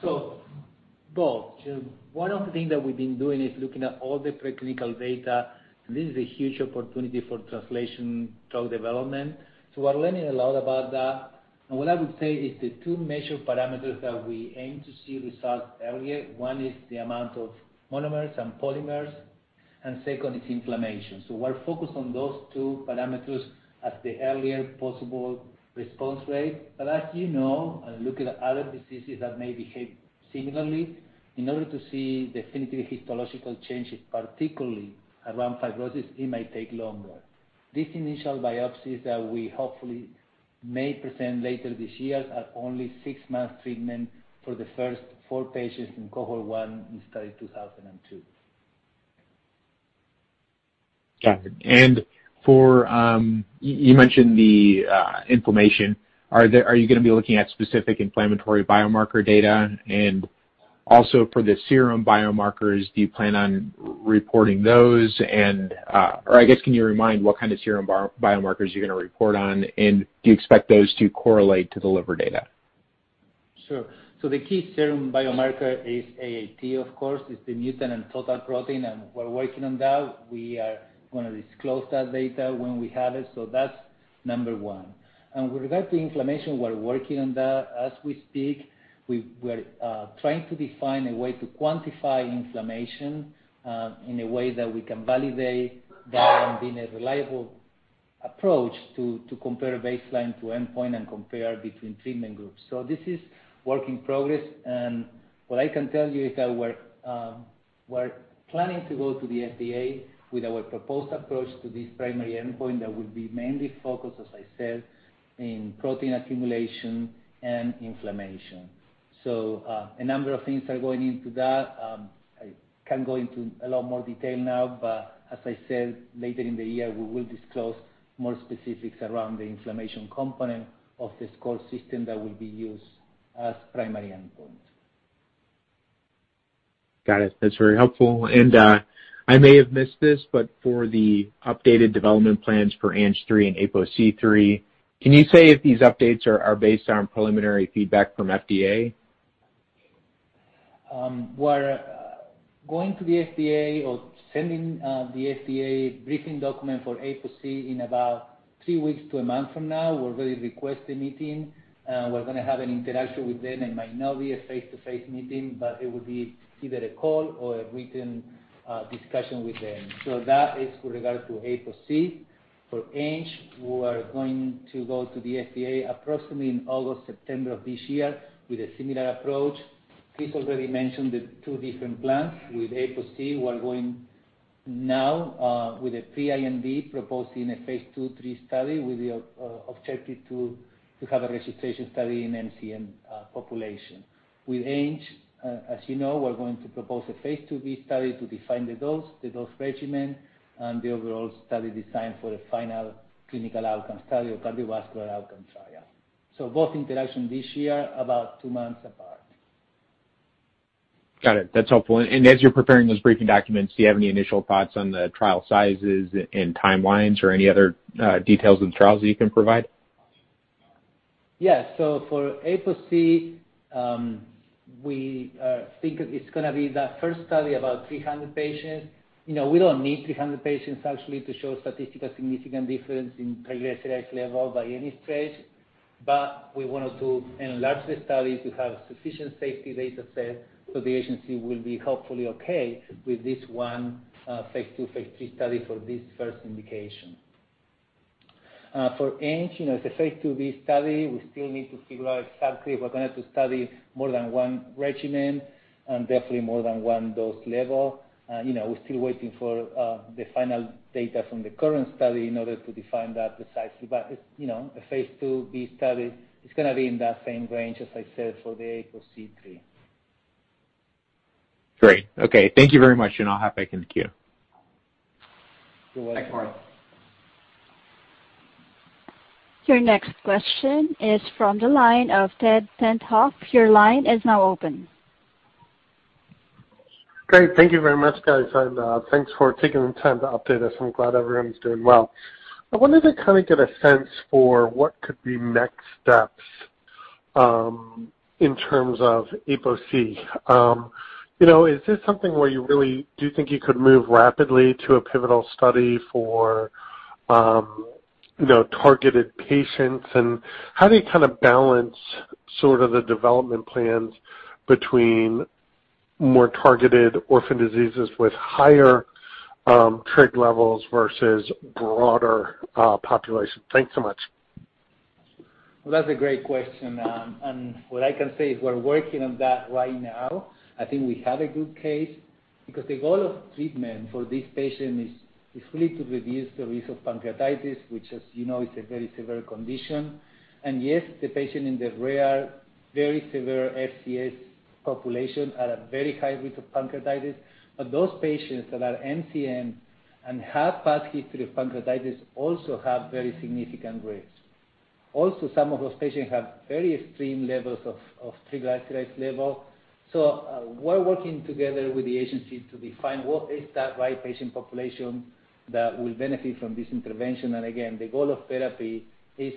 so both, one of the things that we've been doing is looking at all the pre-clinical data. This is a huge opportunity for translation drug development. We're learning a lot about that. What I would say is the two measured parameters that we aim to see results earlier, one is the amount of monomers and polymers, and second is inflammation. We're focused on those two parameters at the earliest possible response rate. As you know, and looking at other diseases that may behave similarly, in order to see definitive histological changes, particularly around fibrosis, it may take longer. These initial biopsies that we hopefully may present later this year are only six months treatment for the first four patients in cohort 1 in Study 2002. Got it and you mentioned the inflammation. Are you going to be looking at specific inflammatory biomarker data? Also for the serum biomarkers, do you plan on reporting those, and/or I guess, can you remind what kind of serum biomarkers you're going to report on, and do you expect those to correlate to the liver data? Sure. The key serum biomarker is AAT, of course. It's the mutant and total protein, and we're working on that. We are going to disclose that data when we have it, so that's number one. With regard to inflammation, we're working on that as we speak. We're trying to define a way to quantify inflammation in a way that we can validate that in being a reliable approach to compare baseline to endpoint and compare between treatment groups. This is work in progress, and what I can tell you is that we're planning to go to the FDA with our proposed approach to this primary endpoint that will be mainly focused, as I said, in protein accumulation and inflammation, so a number of things are going into that. I can't go into a lot more detail now, but as I said, later in the year, we will disclose more specifics around the inflammation component of the score system that will be used as primary endpoint. Got it, that's very helpful, and I may have missed this, for the updated development plans for ARO-ANG3 and ARO-APOC3, can you say if these updates are based on preliminary feedback from FDA? We're going to the FDA or sending the FDA a briefing document for APOC in about three weeks to a month from now. We're going to request a meeting. We're going to have an interaction with them. It might not be a face-to-face meeting, but it will be either a call or a written discussion with them. That is with regard to APOC. For ANG3, we are going to go to the FDA approximately in August, September of this year with a similar approach. Chris already mentioned the two different plans. With APOC, we are going now, with a pre-IND proposing a phase II/III study with the objective to have a registration study in MCM population. With ENaC, as you know, we're going to propose a phase IIb study to define the dose, the dose regimen, and the overall study design for the final clinical outcome study or cardiovascular outcome trial. Both interactions this year, about two months apart. Got it, that's helpful, and as you're preparing those briefing documents, do you have any initial thoughts on the trial sizes and timelines or any other details and trials that you can provide? Yeah. For APOC, we think it's going to be that first study about 300 patients. We don't need 300 patients actually to show statistical significant difference in triglyceride level by any stretch. We wanted to enlarge the study to have sufficient safety data set so the agency will be hopefully okay with this one phase II, phase III study for this first indication. For ENaC, it's a phase IIb study, we still need to figure out exactly if we're going to have to study more than one regimen and definitely more than one dose level. We're still waiting for the final data from the current study in order to define that precisely. A phase IIb study is going to be in that same range, as I said, for the APOC3. Great, gkay, thank you very much, and I'll hop back in the queue. You're welcome. Your next question is from the line of Ted Tenthoff. Your line is now open. Great. Thank you very much, guys. Thanks for taking the time to update us. I'm glad everyone's doing well. I wanted to get a sense for what could be next steps, in terms of APOC. Is this something where you really do think you could move rapidly to a pivotal study for, you know, targeted patients, and how do you balance sort of the development plans between more targeted orphan diseases with higher trig levels versus broader population? Thanks so much. Well, that's a great question. What I can say is we're working on that right now. I think we have a good case because the goal of treatment for this patient is really to reduce the risk of pancreatitis, which, as you know, is a very severe condition. Yes, the patient in the rare, very severe FCS population are at very high risk of pancreatitis. Those patients that are MCM and have past history of pancreatitis also have very significant risk. Also, some of those patients have very extreme levels of triglyceride level. We're working together with the agency to define what is that right patient population that will benefit from this intervention. Again, the goal of therapy is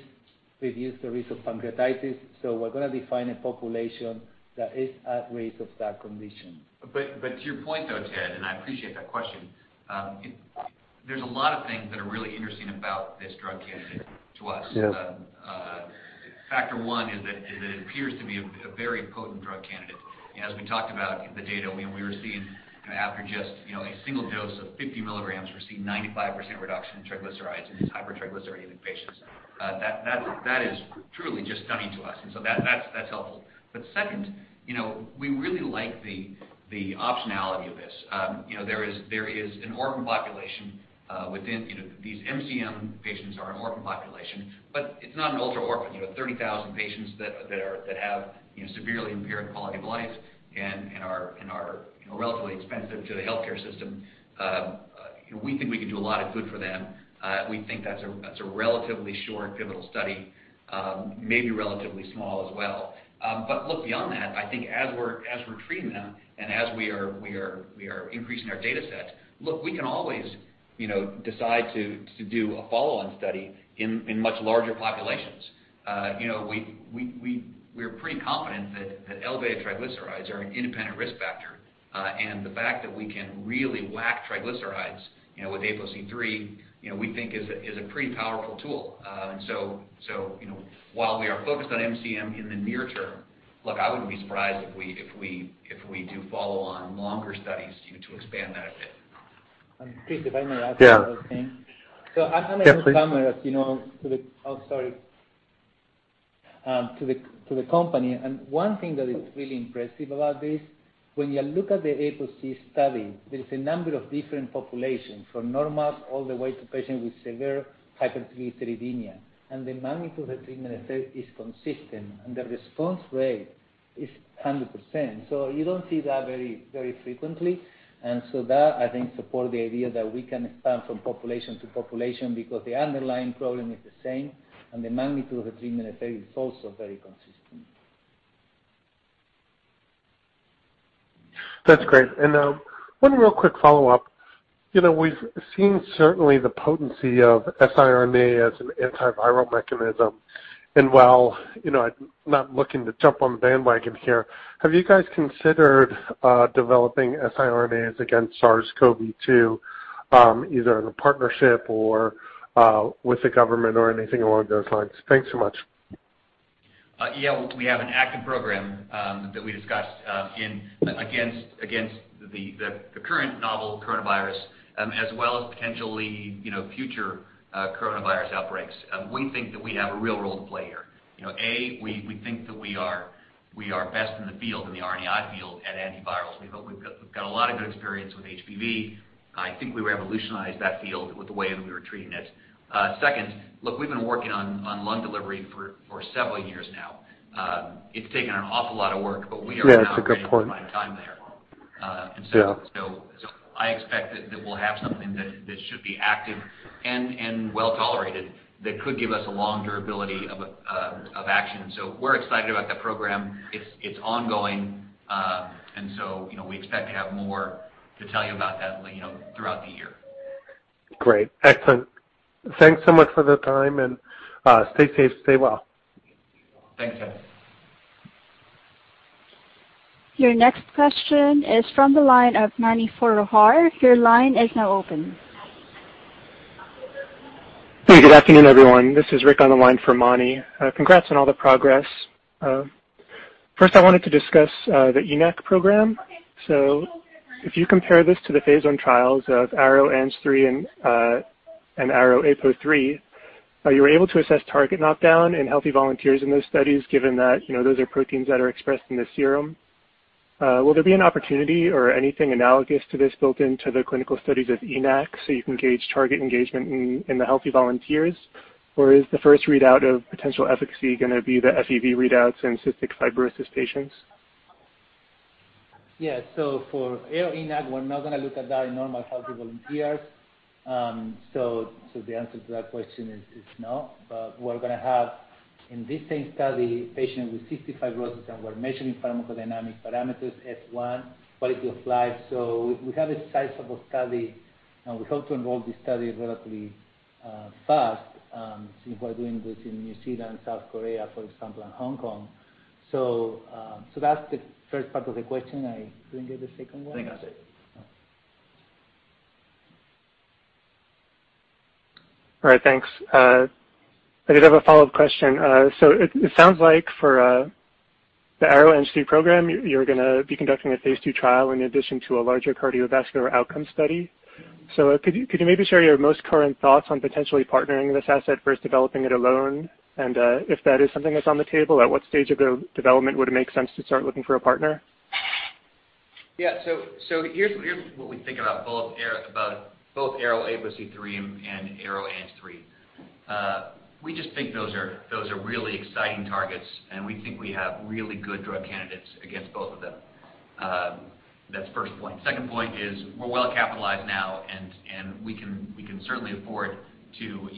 reduce the risk of pancreatitis. We're going to define a population that is at risk of that condition. To your point, though, Ted, and I appreciate that question. There's a lot of things that are really interesting about this drug candidate to us. Yeah. Factor one is that it appears to be a very potent drug candidate. As we talked about the data, we were seeing after just a single dose of 50 mg, we're seeing 95% reduction in triglycerides in these hypertriglyceridemic patients. That is truly just stunning to us and so that's helpful, but second, we really like the optionality of this. These MCM patients are an orphan population. It's not an ultra-orphan. 30,000 patients that have severely impaired quality of life and are relatively expensive to the healthcare system. We think we can do a lot of good for them. We think that's a relatively short pivotal study, maybe relatively small as well. Look, beyond that, I think as we're treating them and as we are increasing our data sets, look, we can always, you know, decide to do a follow-on study in much larger populations. We're pretty confident that elevated triglycerides are an independent risk factor. The fact that we can really whack triglycerides with APOC3, you know, we think is a pretty powerful tool. While we are focused on MCM in the near term, look, I wouldn't be surprised if we do follow on longer studies to expand that a bit. Chris, if I may add something. Yeah. I'm a newcomer. Yeah, please. To the company. One thing that is really impressive about this, when you look at the APOC study, there is a number of different populations, from normal all the way to patients with severe hypertriglyceridemia. The magnitude of treatment effect is consistent, and the response rate is 100%. You don't see that very frequently, and so that, I think, support the idea that we can expand from population to population because the underlying problem is the same, and the magnitude of the treatment effect is also very consistent. That's great and one real quick follow-up, you know, we've seen certainly the potency of siRNA as an antiviral mechanism, and while, you know, I'm not looking to jump on the bandwagon here, have you guys considered developing siRNAs against SARS-CoV-2, either in a partnership or with the government or anything along those lines? Thanks so much. Yeah. We have an active program that we discussed against the current novel coronavirus, as well as potentially future coronavirus outbreaks. We think that we have a real role to play here. A, we think that we are best in the field, in the RNAi field, at antivirals. We've got a lot of good experience with HBV. I think we revolutionized that field with the way that we were treating it. Second, look, we've been working on lung delivery for several years now. It's taken an awful lot of work. Yeah, it's a good point. Now ready to provide time there. Yeah. I expect that we'll have something that should be active and well-tolerated that could give us a long durability of action. We're excited about that program. It's ongoing. We expect to have more to tell you about that throughout the year. Great, excellent, and thanks so much for the time, and stay safe, stay well. Thanks, Ted. Your next question is from the line of Mani Foroohar. Your line is now open. Hey, good afternoon, everyone. This is Rick on the line for Mani. Congrats on all the progress. First, I wanted to discuss the ENaC program. If you compare this to the phase I trials of ARO-ANG3 and ARO-APOC3, you were able to assess target knockdown in healthy volunteers in those studies, given that those are proteins that are expressed in the serum. Will there be an opportunity or anything analogous to this built into the clinical studies of ENaC so you can gauge target engagement in the healthy volunteers? Is the first readout of potential efficacy going to be the FEV readouts in cystic fibrosis patients? Yeah. For ARO-ENaC, we're not going to look at that in normal, healthy volunteers. The answer to that question is no. We're going to have, in this same study, patients with cystic fibrosis, and we're measuring pharmacodynamic parameters, FEV, quality of life. We have a sizable study, and we hope to enroll this study relatively fast. See, we're doing this in New Zealand, South Korea, for example, and Hong Kong. That's the first part of the question. I didn't get the second one? I think that's it. All right. Thanks. I did have a follow-up question. It sounds like for the ARO-ANG3 program, you're going to be conducting a phase II trial in addition to a larger cardiovascular outcome study. Could you maybe share your most current thoughts on potentially partnering this asset versus developing it alone? If that is something that's on the table, at what stage of development would it make sense to start looking for a partner? Here's what we think about both ARO-APOC3 and ARO-ANG3. We just think those are really exciting targets, and we think we have really good drug candidates against both of them. That's the first point. Second point is we're well-capitalized now, and we can certainly afford to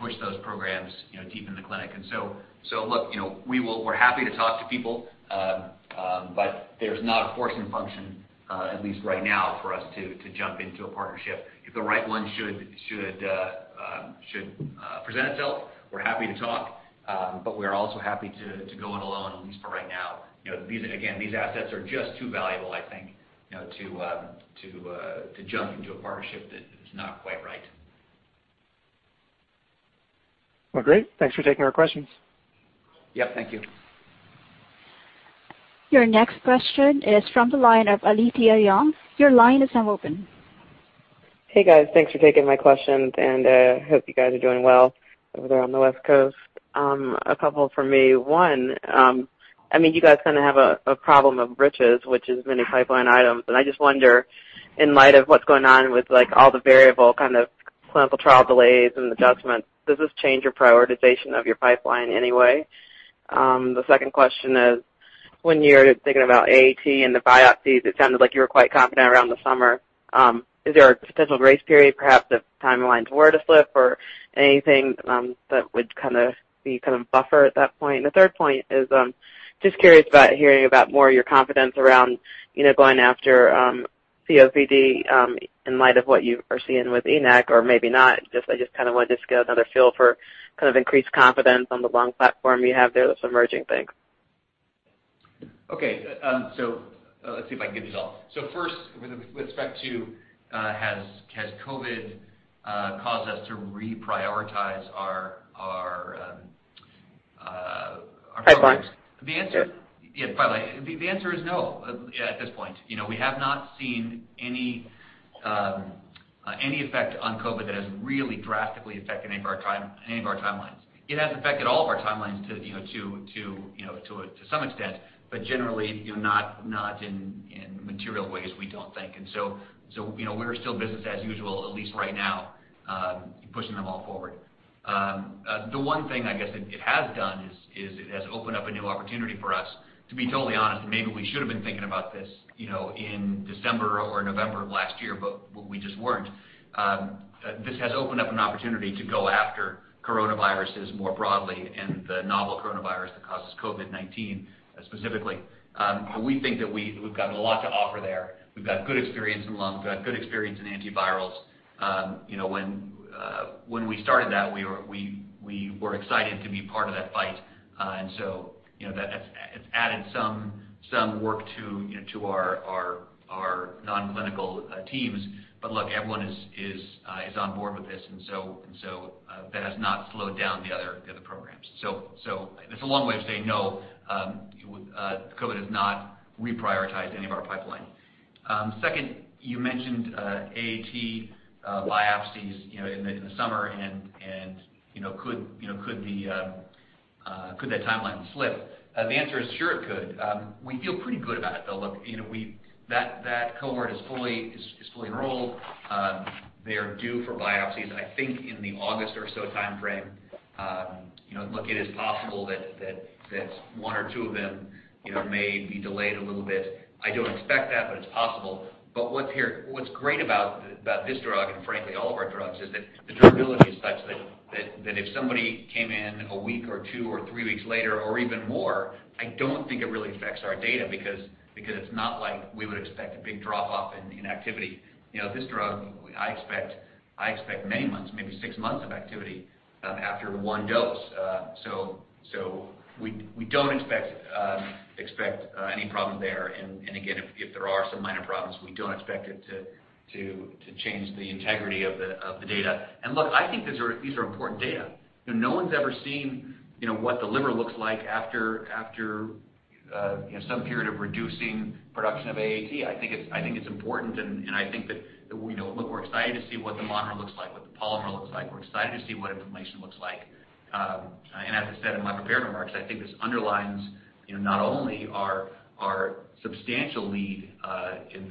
push those programs deep in the clinic. Look, we're happy to talk to people, but there's not a forcing function, at least right now, for us to jump into a partnership. If the right one should present itself, we're happy to talk, but we're also happy to go it alone, at least for right now. Again, these assets are just too valuable, I think, to jump into a partnership that is not quite right. Well, great, thanks for taking our questions. Yep. Thank you. Your next question is from the line of Alethia Young. Your line is now open. Hey, guys, thanks for taking my questions, and hope you guys are doing well over there on the West Coast, a couple from me. One, you guys kind of have a problem of riches, which is many pipeline items. I just wonder, in light of what's going on with all the variable kind of clinical trial delays and adjustments, does this change your prioritization of your pipeline in any way? The second question is, when you're thinking about AAT and the biopsies, it sounded like you were quite confident around the summer. Is there a potential grace period, perhaps, if timelines were to slip or anything that would be a buffer at that point? The third point is, just curious about hearing about more of your confidence around going after COPD in light of what you are seeing with ENaC or maybe not. I just wanted to get another feel for increased confidence on the lung platform you have there, those emerging things. Okay. Let's see if I can get it all. First, with respect to has COVID caused us to reprioritize our- Pipeline The answer is no at this point. We have not seen any effect on COVID that has really drastically affected any of our timelines. It has affected all of our timelines to some extent, but generally, not in material ways, we don't think. We're still business as usual, at least right now, pushing them all forward. The one thing I guess it has done is it has opened up a new opportunity for us, to be totally honest, and maybe we should have been thinking about this, you know, in December or November of last year, but we just weren't. This has opened up an opportunity to go after coronaviruses more broadly and the novel coronavirus that causes COVID-19 specifically. We think that we've got a lot to offer there. We've got good experience in lung. We've got good experience in antivirals. When we started that, we were excited to be part of that fight. that's added some work to our non-clinical teams. look, everyone is on board with this, and so that has not slowed down the other programs, and it's a long way of saying no, COVID has not reprioritized any of our pipeline. Second, you mentioned AAT biopsies in the summer and could that timeline slip? The answer is sure it could. We feel pretty good about it, though. Look, that cohort is fully enrolled. They are due for biopsies, I think, in the August or so timeframe. Look, it is possible that one or two of them may be delayed a little bit. I don't expect that, but it's possible. What's great about this drug, and frankly all of our drugs, is that the durability is such that if somebody came in a week or two or three weeks later or even more, I don't think it really affects our data because it's not like we would expect a big drop-off in activity. This drug, I expect many months, maybe six months of activity after one dose. we don't expect any problem there. again, if there are some minor problems, we don't expect it to change the integrity of the data. look, I think these are important data. No one's ever seen, you know, what the liver looks like after some period of reducing production of AAT. I think it's important, and I think that we're excited to see what the monomer looks like, what the polymer looks like. We're excited to see what inflammation looks like. As I said in my prepared remarks, I think this underlines not only our substantial lead in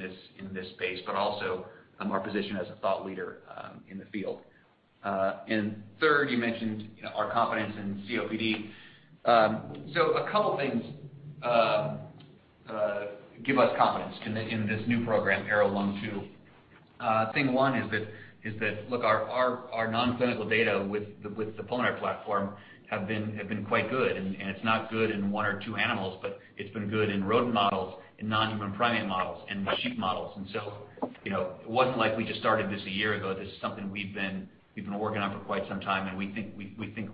this space, but also our position as a thought leader in the field. Third, you mentioned our confidence in COPD, so a couple things give us confidence in this new program, Arrow-1/2. Thing one is that, look, our non-clinical data with the pulmonary platform have been quite good, and it's not good in one or two animals, but it's been good in rodent models, in non-human primate models, and in sheep models. It wasn't like we just started this a year ago. This is something we've been working on for quite some time, and we think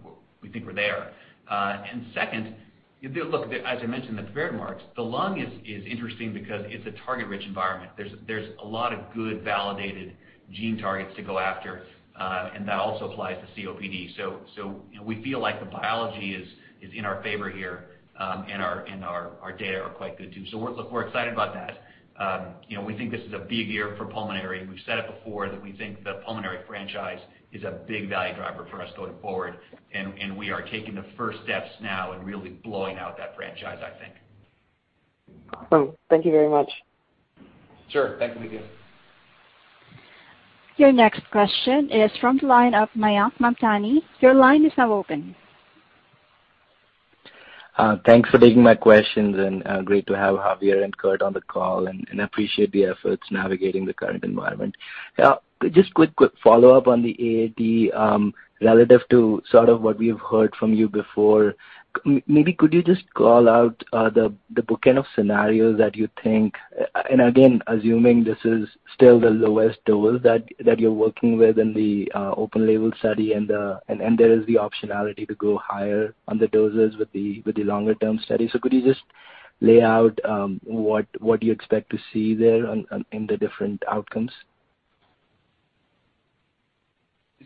we're there, and second, look, as I mentioned in the prepared remarks, the lung is interesting because it's a target-rich environment. There's a lot of good validated gene targets to go after, and that also applies to COPD. We feel like the biology is in our favor here, and our data are quite good too. Look, we're excited about that. We think this is a big year for pulmonary. We've said it before that we think the pulmonary franchise is a big value driver for us going forward, and we are taking the first steps now and really blowing out that franchise, I think. Awesome. Thank you very much. Sure. Thanks, Alethia. Your next question is from the line of Mayank Mamtani. Your line is now open. Thanks for taking my questions, and great to have Javier and Curt on the call, and appreciate the efforts navigating the current environment, and just quick follow-up on the AAT, relative to sort of what we've heard from you before. Maybe could you just call out the kind of scenario that you think, and again, assuming this is still the lowest dose that you're working with in the open label study, and there is the optionality to go higher on the doses with the longer-term study. Could you just lay out what you expect to see there in the different outcomes?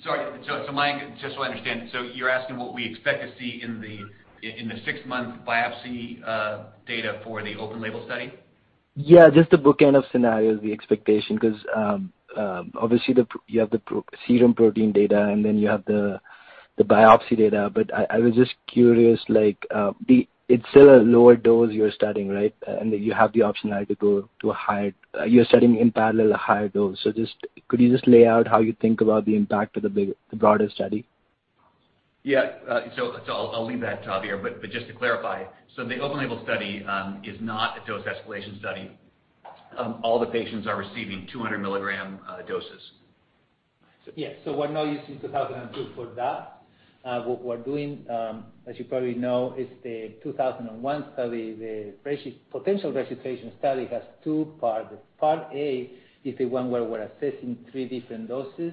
Sorry. Mayank, just so I understand, so you're asking what we expect to see in the six-month biopsy data for the open label study? Yeah, just the bookend of scenarios, the expectation, because obviously you have the serum protein data and then you have the biopsy data, but I was just curious, it's still a lower dose you're studying, right? You're studying in parallel a higher dose. Could you just lay out how you think about the impact of the broader study? Yeah. I'll leave that to Javier, but just to clarify, so the open label study is not a dose escalation study. All the patients are receiving 200 mg doses. Yes, we're not using 2002 for that. What we're doing, as you probably know, is the 2001 study. The potential registration study has two parts, part A is the one where we're assessing three different doses,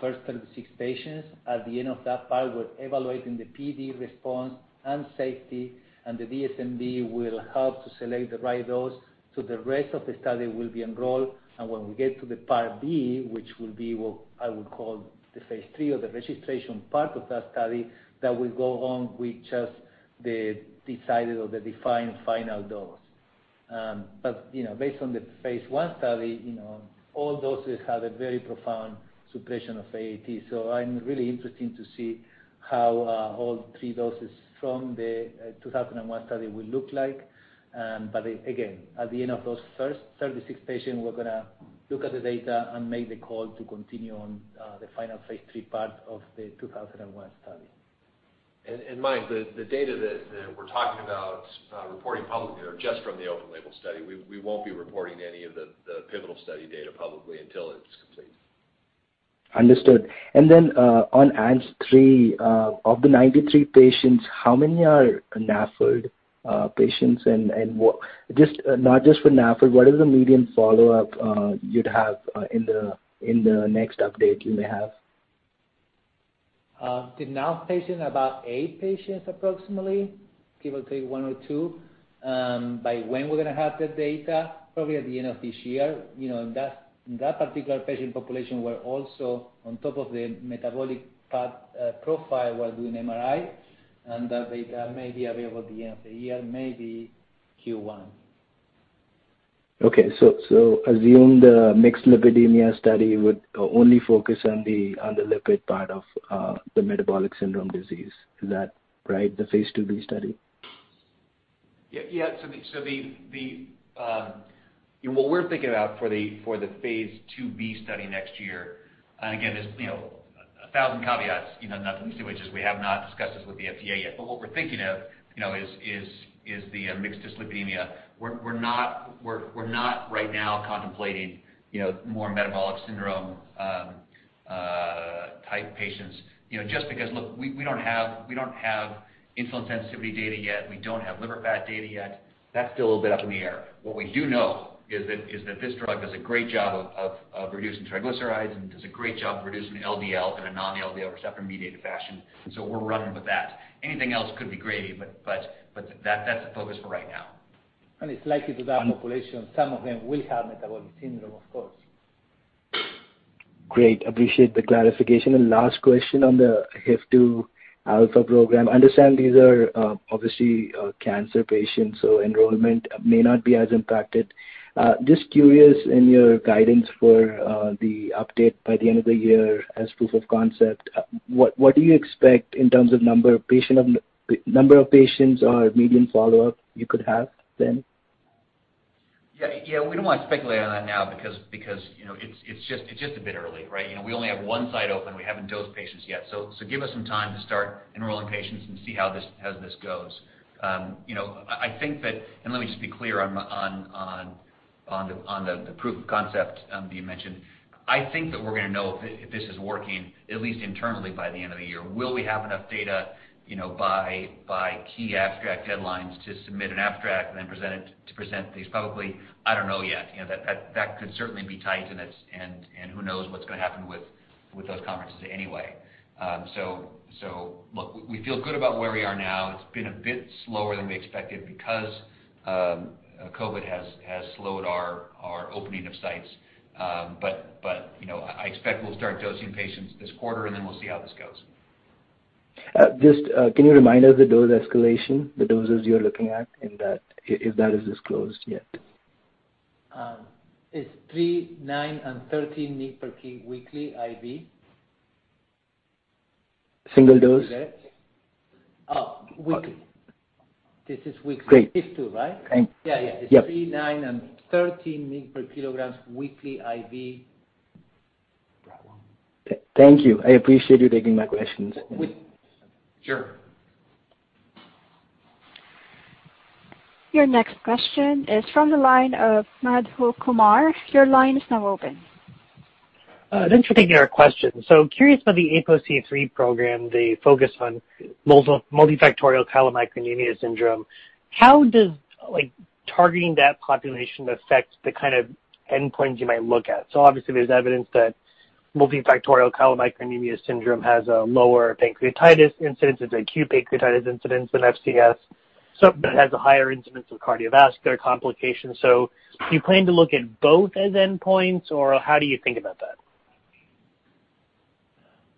first 36 patients. At the end of that part, we're evaluating the PD response and safety, and the DSMB will help to select the right dose. the rest of the study will be enrolled, and when we get to the Part B, which will be what I would call the phase III or the registration part of that study, that will go on with just the decided or the defined final dose. Based on the phase I study, all doses have a very profound suppression of AAT. I'm really interesting to see how all three doses from the 2001 study will look like. Again, at the end of those first 36 patients, we're going to look at the data and make the call to continue on the final phase III part of the 2001 study. Mayank, the data that we're talking about reporting publicly are just from the open label study. We won't be reporting any of the pivotal study data publicly until it's complete. Understood, and then on ANG3, of the 93 patients, how many are NAFLD patients? Not just for NAFLD, what is the median follow-up you'd have in the next update you may have? The NAFLD patient, about eight patients approximately, give or take one or two. By when we're going to have the data? Probably at the end of this year. In that particular patient population, we're also on top of the metabolic fat profile while doing MRI, and that data may be available at the end of the year, maybe Q1. Okay, so assume the mixed lipidemia study would only focus on the lipid part of the metabolic syndrome disease. Is that right, the phase IIb study? Yeah. What we're thinking about for the phase IIb study next year, and again, there's 1,000 caveats, not the least of which is we have not discussed this with the FDA yet. What we're thinking of is the mixed dyslipidemia. We're not right now contemplating more metabolic syndrome type patients, you know, just because, look, we don't have insulin sensitivity data yet. We don't have liver fat data yet. That's still a bit up in the air. What we do know is that this drug does a great job of reducing triglycerides and does a great job of reducing LDL in a non-LDL receptor-mediated fashion. We're running with that. Anything else could be gravy, but that's the focus for right now. It's likely that population, some of them will have metabolic syndrome, of course. Great, appreciate the clarification, and last question on the HIF-2 alpha program. I understand these are, obviously, cancer patients, so enrollment may not be as impacted. I'm just curious in your guidance for the update by the end of the year as proof of concept, what do you expect in terms of number of patients or median follow-up you could have then? Yeah. We don't want to speculate on that now because it's just a bit early, right? We only have one site open. We haven't dosed patients yet, so give us some time to start enrolling patients, and see how this goes. Let me just be clear on the proof of concept that you mentioned. I think that we're going to know if this is working, at least internally, by the end of the year. Will we have enough data, you know, by key abstract deadlines to submit an abstract, and then to present these publicly? I don't know yet. That could certainly be tight, and who knows what's going to happen with those conferences anyway. Look, we feel good about where we are now. It's been a bit slower than we expected because COVID has slowed our opening of sites. I expect we'll start dosing patients this quarter, and then we'll see how this goes. Can you remind us the dose escalation, the doses you're looking at in that, if that is disclosed yet? It's 3 mg, 9 mg, and 13 mg/kg weekly IV. Single dose? Weekly. This is weekly. Great. HIF-2, right? Thanks. Yeah. Yep. It's 3 mg, 9 mg, and 13 mg/kg weekly IV. Thank you. I appreciate you taking my questions. Sure. Your next question is from the line of Madhu Kumar. Your line is now open. Thanks for taking our question. I'm curious about the APOC3 program, the focus on multifactorial chylomicronemia syndrome. How does targeting that population affect the kind of endpoints you might look at? Obviously there's evidence that multifactorial chylomicronemia syndrome has a lower pancreatitis incidence. It's acute pancreatitis incidence in FCS. That has a higher incidence of cardiovascular complications. Do you plan to look at both as endpoints, or how do you think about that?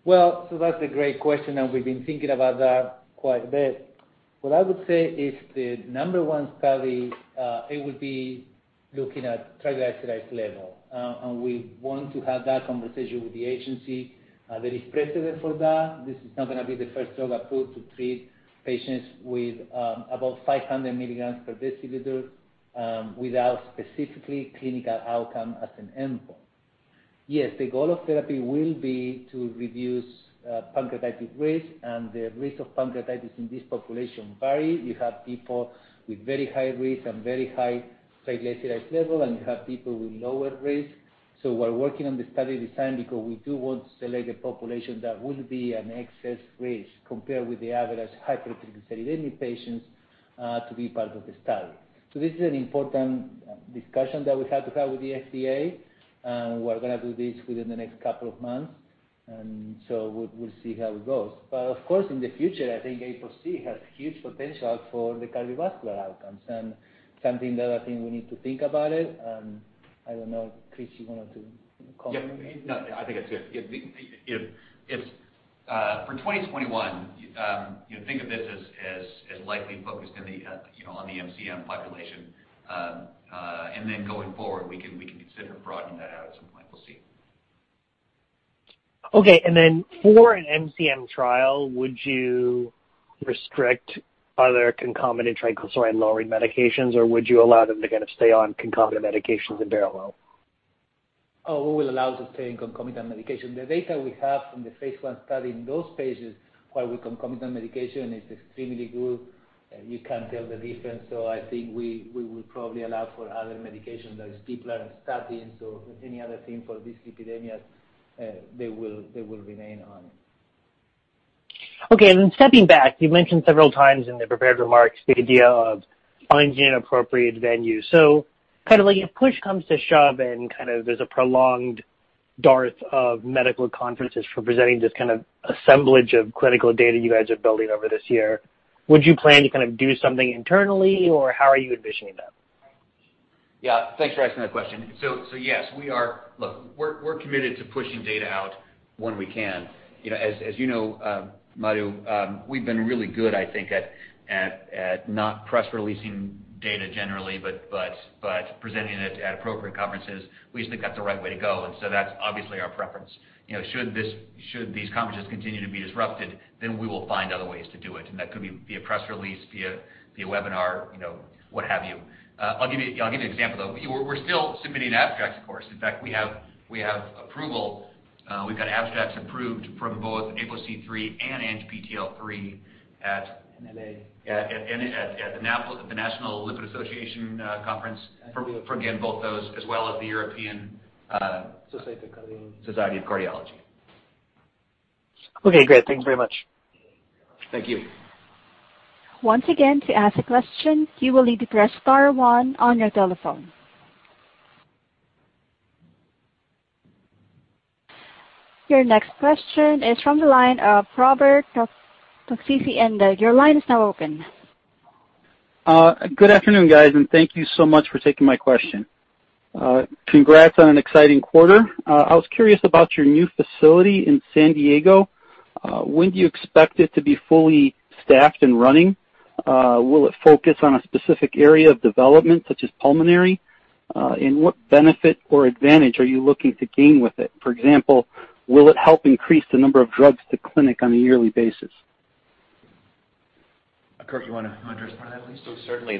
Well, that's a great question, and we've been thinking about that quite a bit. What I would say is the number one study, it will be looking at triglyceride level, and we want to have that conversation with the agency. There is precedent for that. This is not going to be the first drug approved to treat patients with above 500 mg/dL without specifically clinical outcome as an endpoint. Yes, the goal of therapy will be to reduce pancreatitis risk, and the risk of pancreatitis in this population vary. You have people with very high risk and very high triglyceride level, and you have people with lower risk. we're working on the study design because we do want to select a population that will be an excess risk compared with the average hypertriglyceridemia patients to be part of the study. This is an important discussion that we have to have with the FDA, and we're going to do this within the next couple of months, so we'll see how it goes. Of course, in the future, I think APOC has huge potential for the cardiovascular outcomes and something that I think we need to think about it. I don't know, Chris, you wanted to comment? Yeah. No, I think that's it. For 2021, think of this as likely focused on the MCM population, and then going forward, we can consider broadening that out at some point. We'll see. Okay. For an MCM trial, would you restrict other concomitant triglyceride-lowering medications, or would you allow them to kind of stay on concomitant medications in parallel? Oh, we will allow to stay on concomitant medication. The data we have from the phase I study, in those patients while with concomitant medication is extremely good. You can't tell the difference, so I think we will probably allow for other medication that people are studying. if there's any other thing for dyslipidemia, they will remain on it. Okay, and then stepping back, you've mentioned several times in the prepared remarks the idea of finding an appropriate venue. If push comes to shove and there's a prolonged dearth of medical conferences for presenting this kind of assemblage of clinical data you guys are building over this year, would you plan to do something internally, or how are you envisioning that? Yeah. Thanks for asking that question. Yes, look, we're committed to pushing data out when we can. As you know, Mayank, we've been really good, I think, at not press-releasing data generally, but presenting it at appropriate conferences. We just think that's the right way to go, and so that's obviously our preference. Should these conferences continue to be disrupted, then we will find other ways to do it, and that could be via press release, via webinar, what have you. I'll give you an example, though. We're still submitting abstracts, of course. In fact, we have approval. We've got abstracts approved for both APOC3 and ANGPTL3. NLA yeah, at the National Lipid Association Conference for, again, both those, as well as the European. Society of Cardiology Society of Cardiology. Okay, great. Thank you very much. Thank you. Once again, to ask a question, you will need to press star one on your telephone. Your next question is from the line of Robert Toczycki, and your line is now open. Good afternoon, guys, and thank you so much for taking my question. Congrats on an exciting quarter. I was curious about your new facility in San Diego. When do you expect it to be fully staffed and running? Will it focus on a specific area of development, such as pulmonary? What benefit or advantage are you looking to gain with it? For example, will it help increase the number of drugs to clinic on a yearly basis? Curt, you want to address part of that, please? Certainly.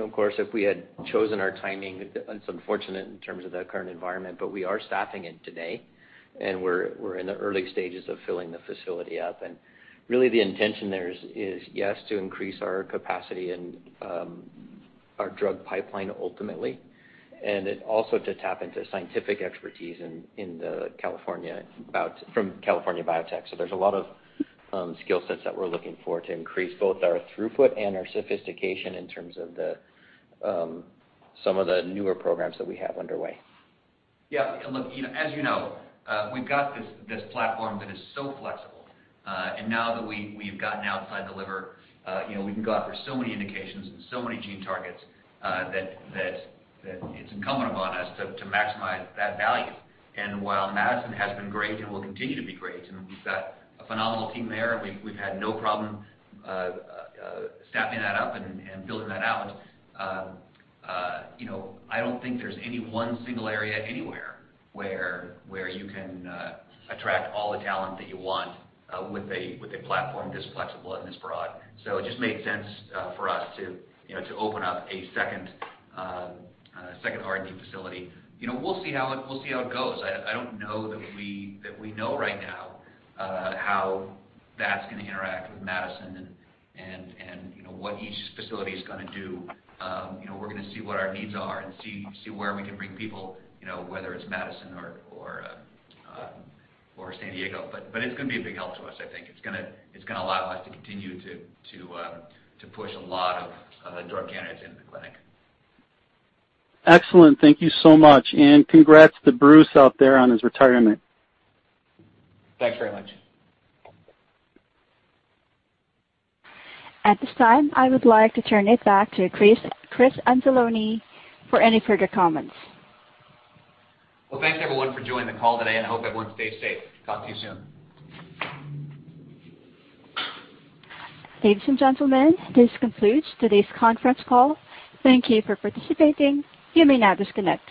Of course, if we had chosen our timing, it's unfortunate in terms of the current environment, but we are staffing it today, and we're in the early stages of filling the facility up. Really the intention there is, yes, to increase our capacity and our drug pipeline ultimately. Also to tap into scientific expertise from California Biotech. There's a lot of skill sets that we're looking for to increase both our throughput and our sophistication in terms of some of the newer programs that we have underway. Yeah. Look, as you know, we've got this platform that is so flexible. Now that we've gotten outside the liver, we can go after so many indications and so many gene targets that it's incumbent upon us to maximize that value. While Madison has been great, and will continue to be great, and we've got a phenomenal team there, and we've had no problem staffing that up and building that out. I don't think there's any one single area anywhere where you can attract all the talent that you want with a platform this flexible and this broad. It just made sense for us to open up a second R&D facility. We'll see how it goes. I don't know that we know right now how that's going to interact with Madison and what each facility is going to do. We're going to see what our needs are and see where we can bring people, whether it's Madison or San Diego. It's going to be a big help to us, I think. It's going to allow us to continue to push a lot of drug candidates into the clinic. Excellent. Thank you so much and congrats to Bruce out there on his retirement. Thanks very much. At this time, I would like to turn it back to Chris Anzalone for any further comments. Well, thanks, everyone, for joining the call today, and I hope everyone stays safe. Talk to you soon. Ladies and gentlemen, this concludes today's conference call. Thank you for participating. You may now disconnect.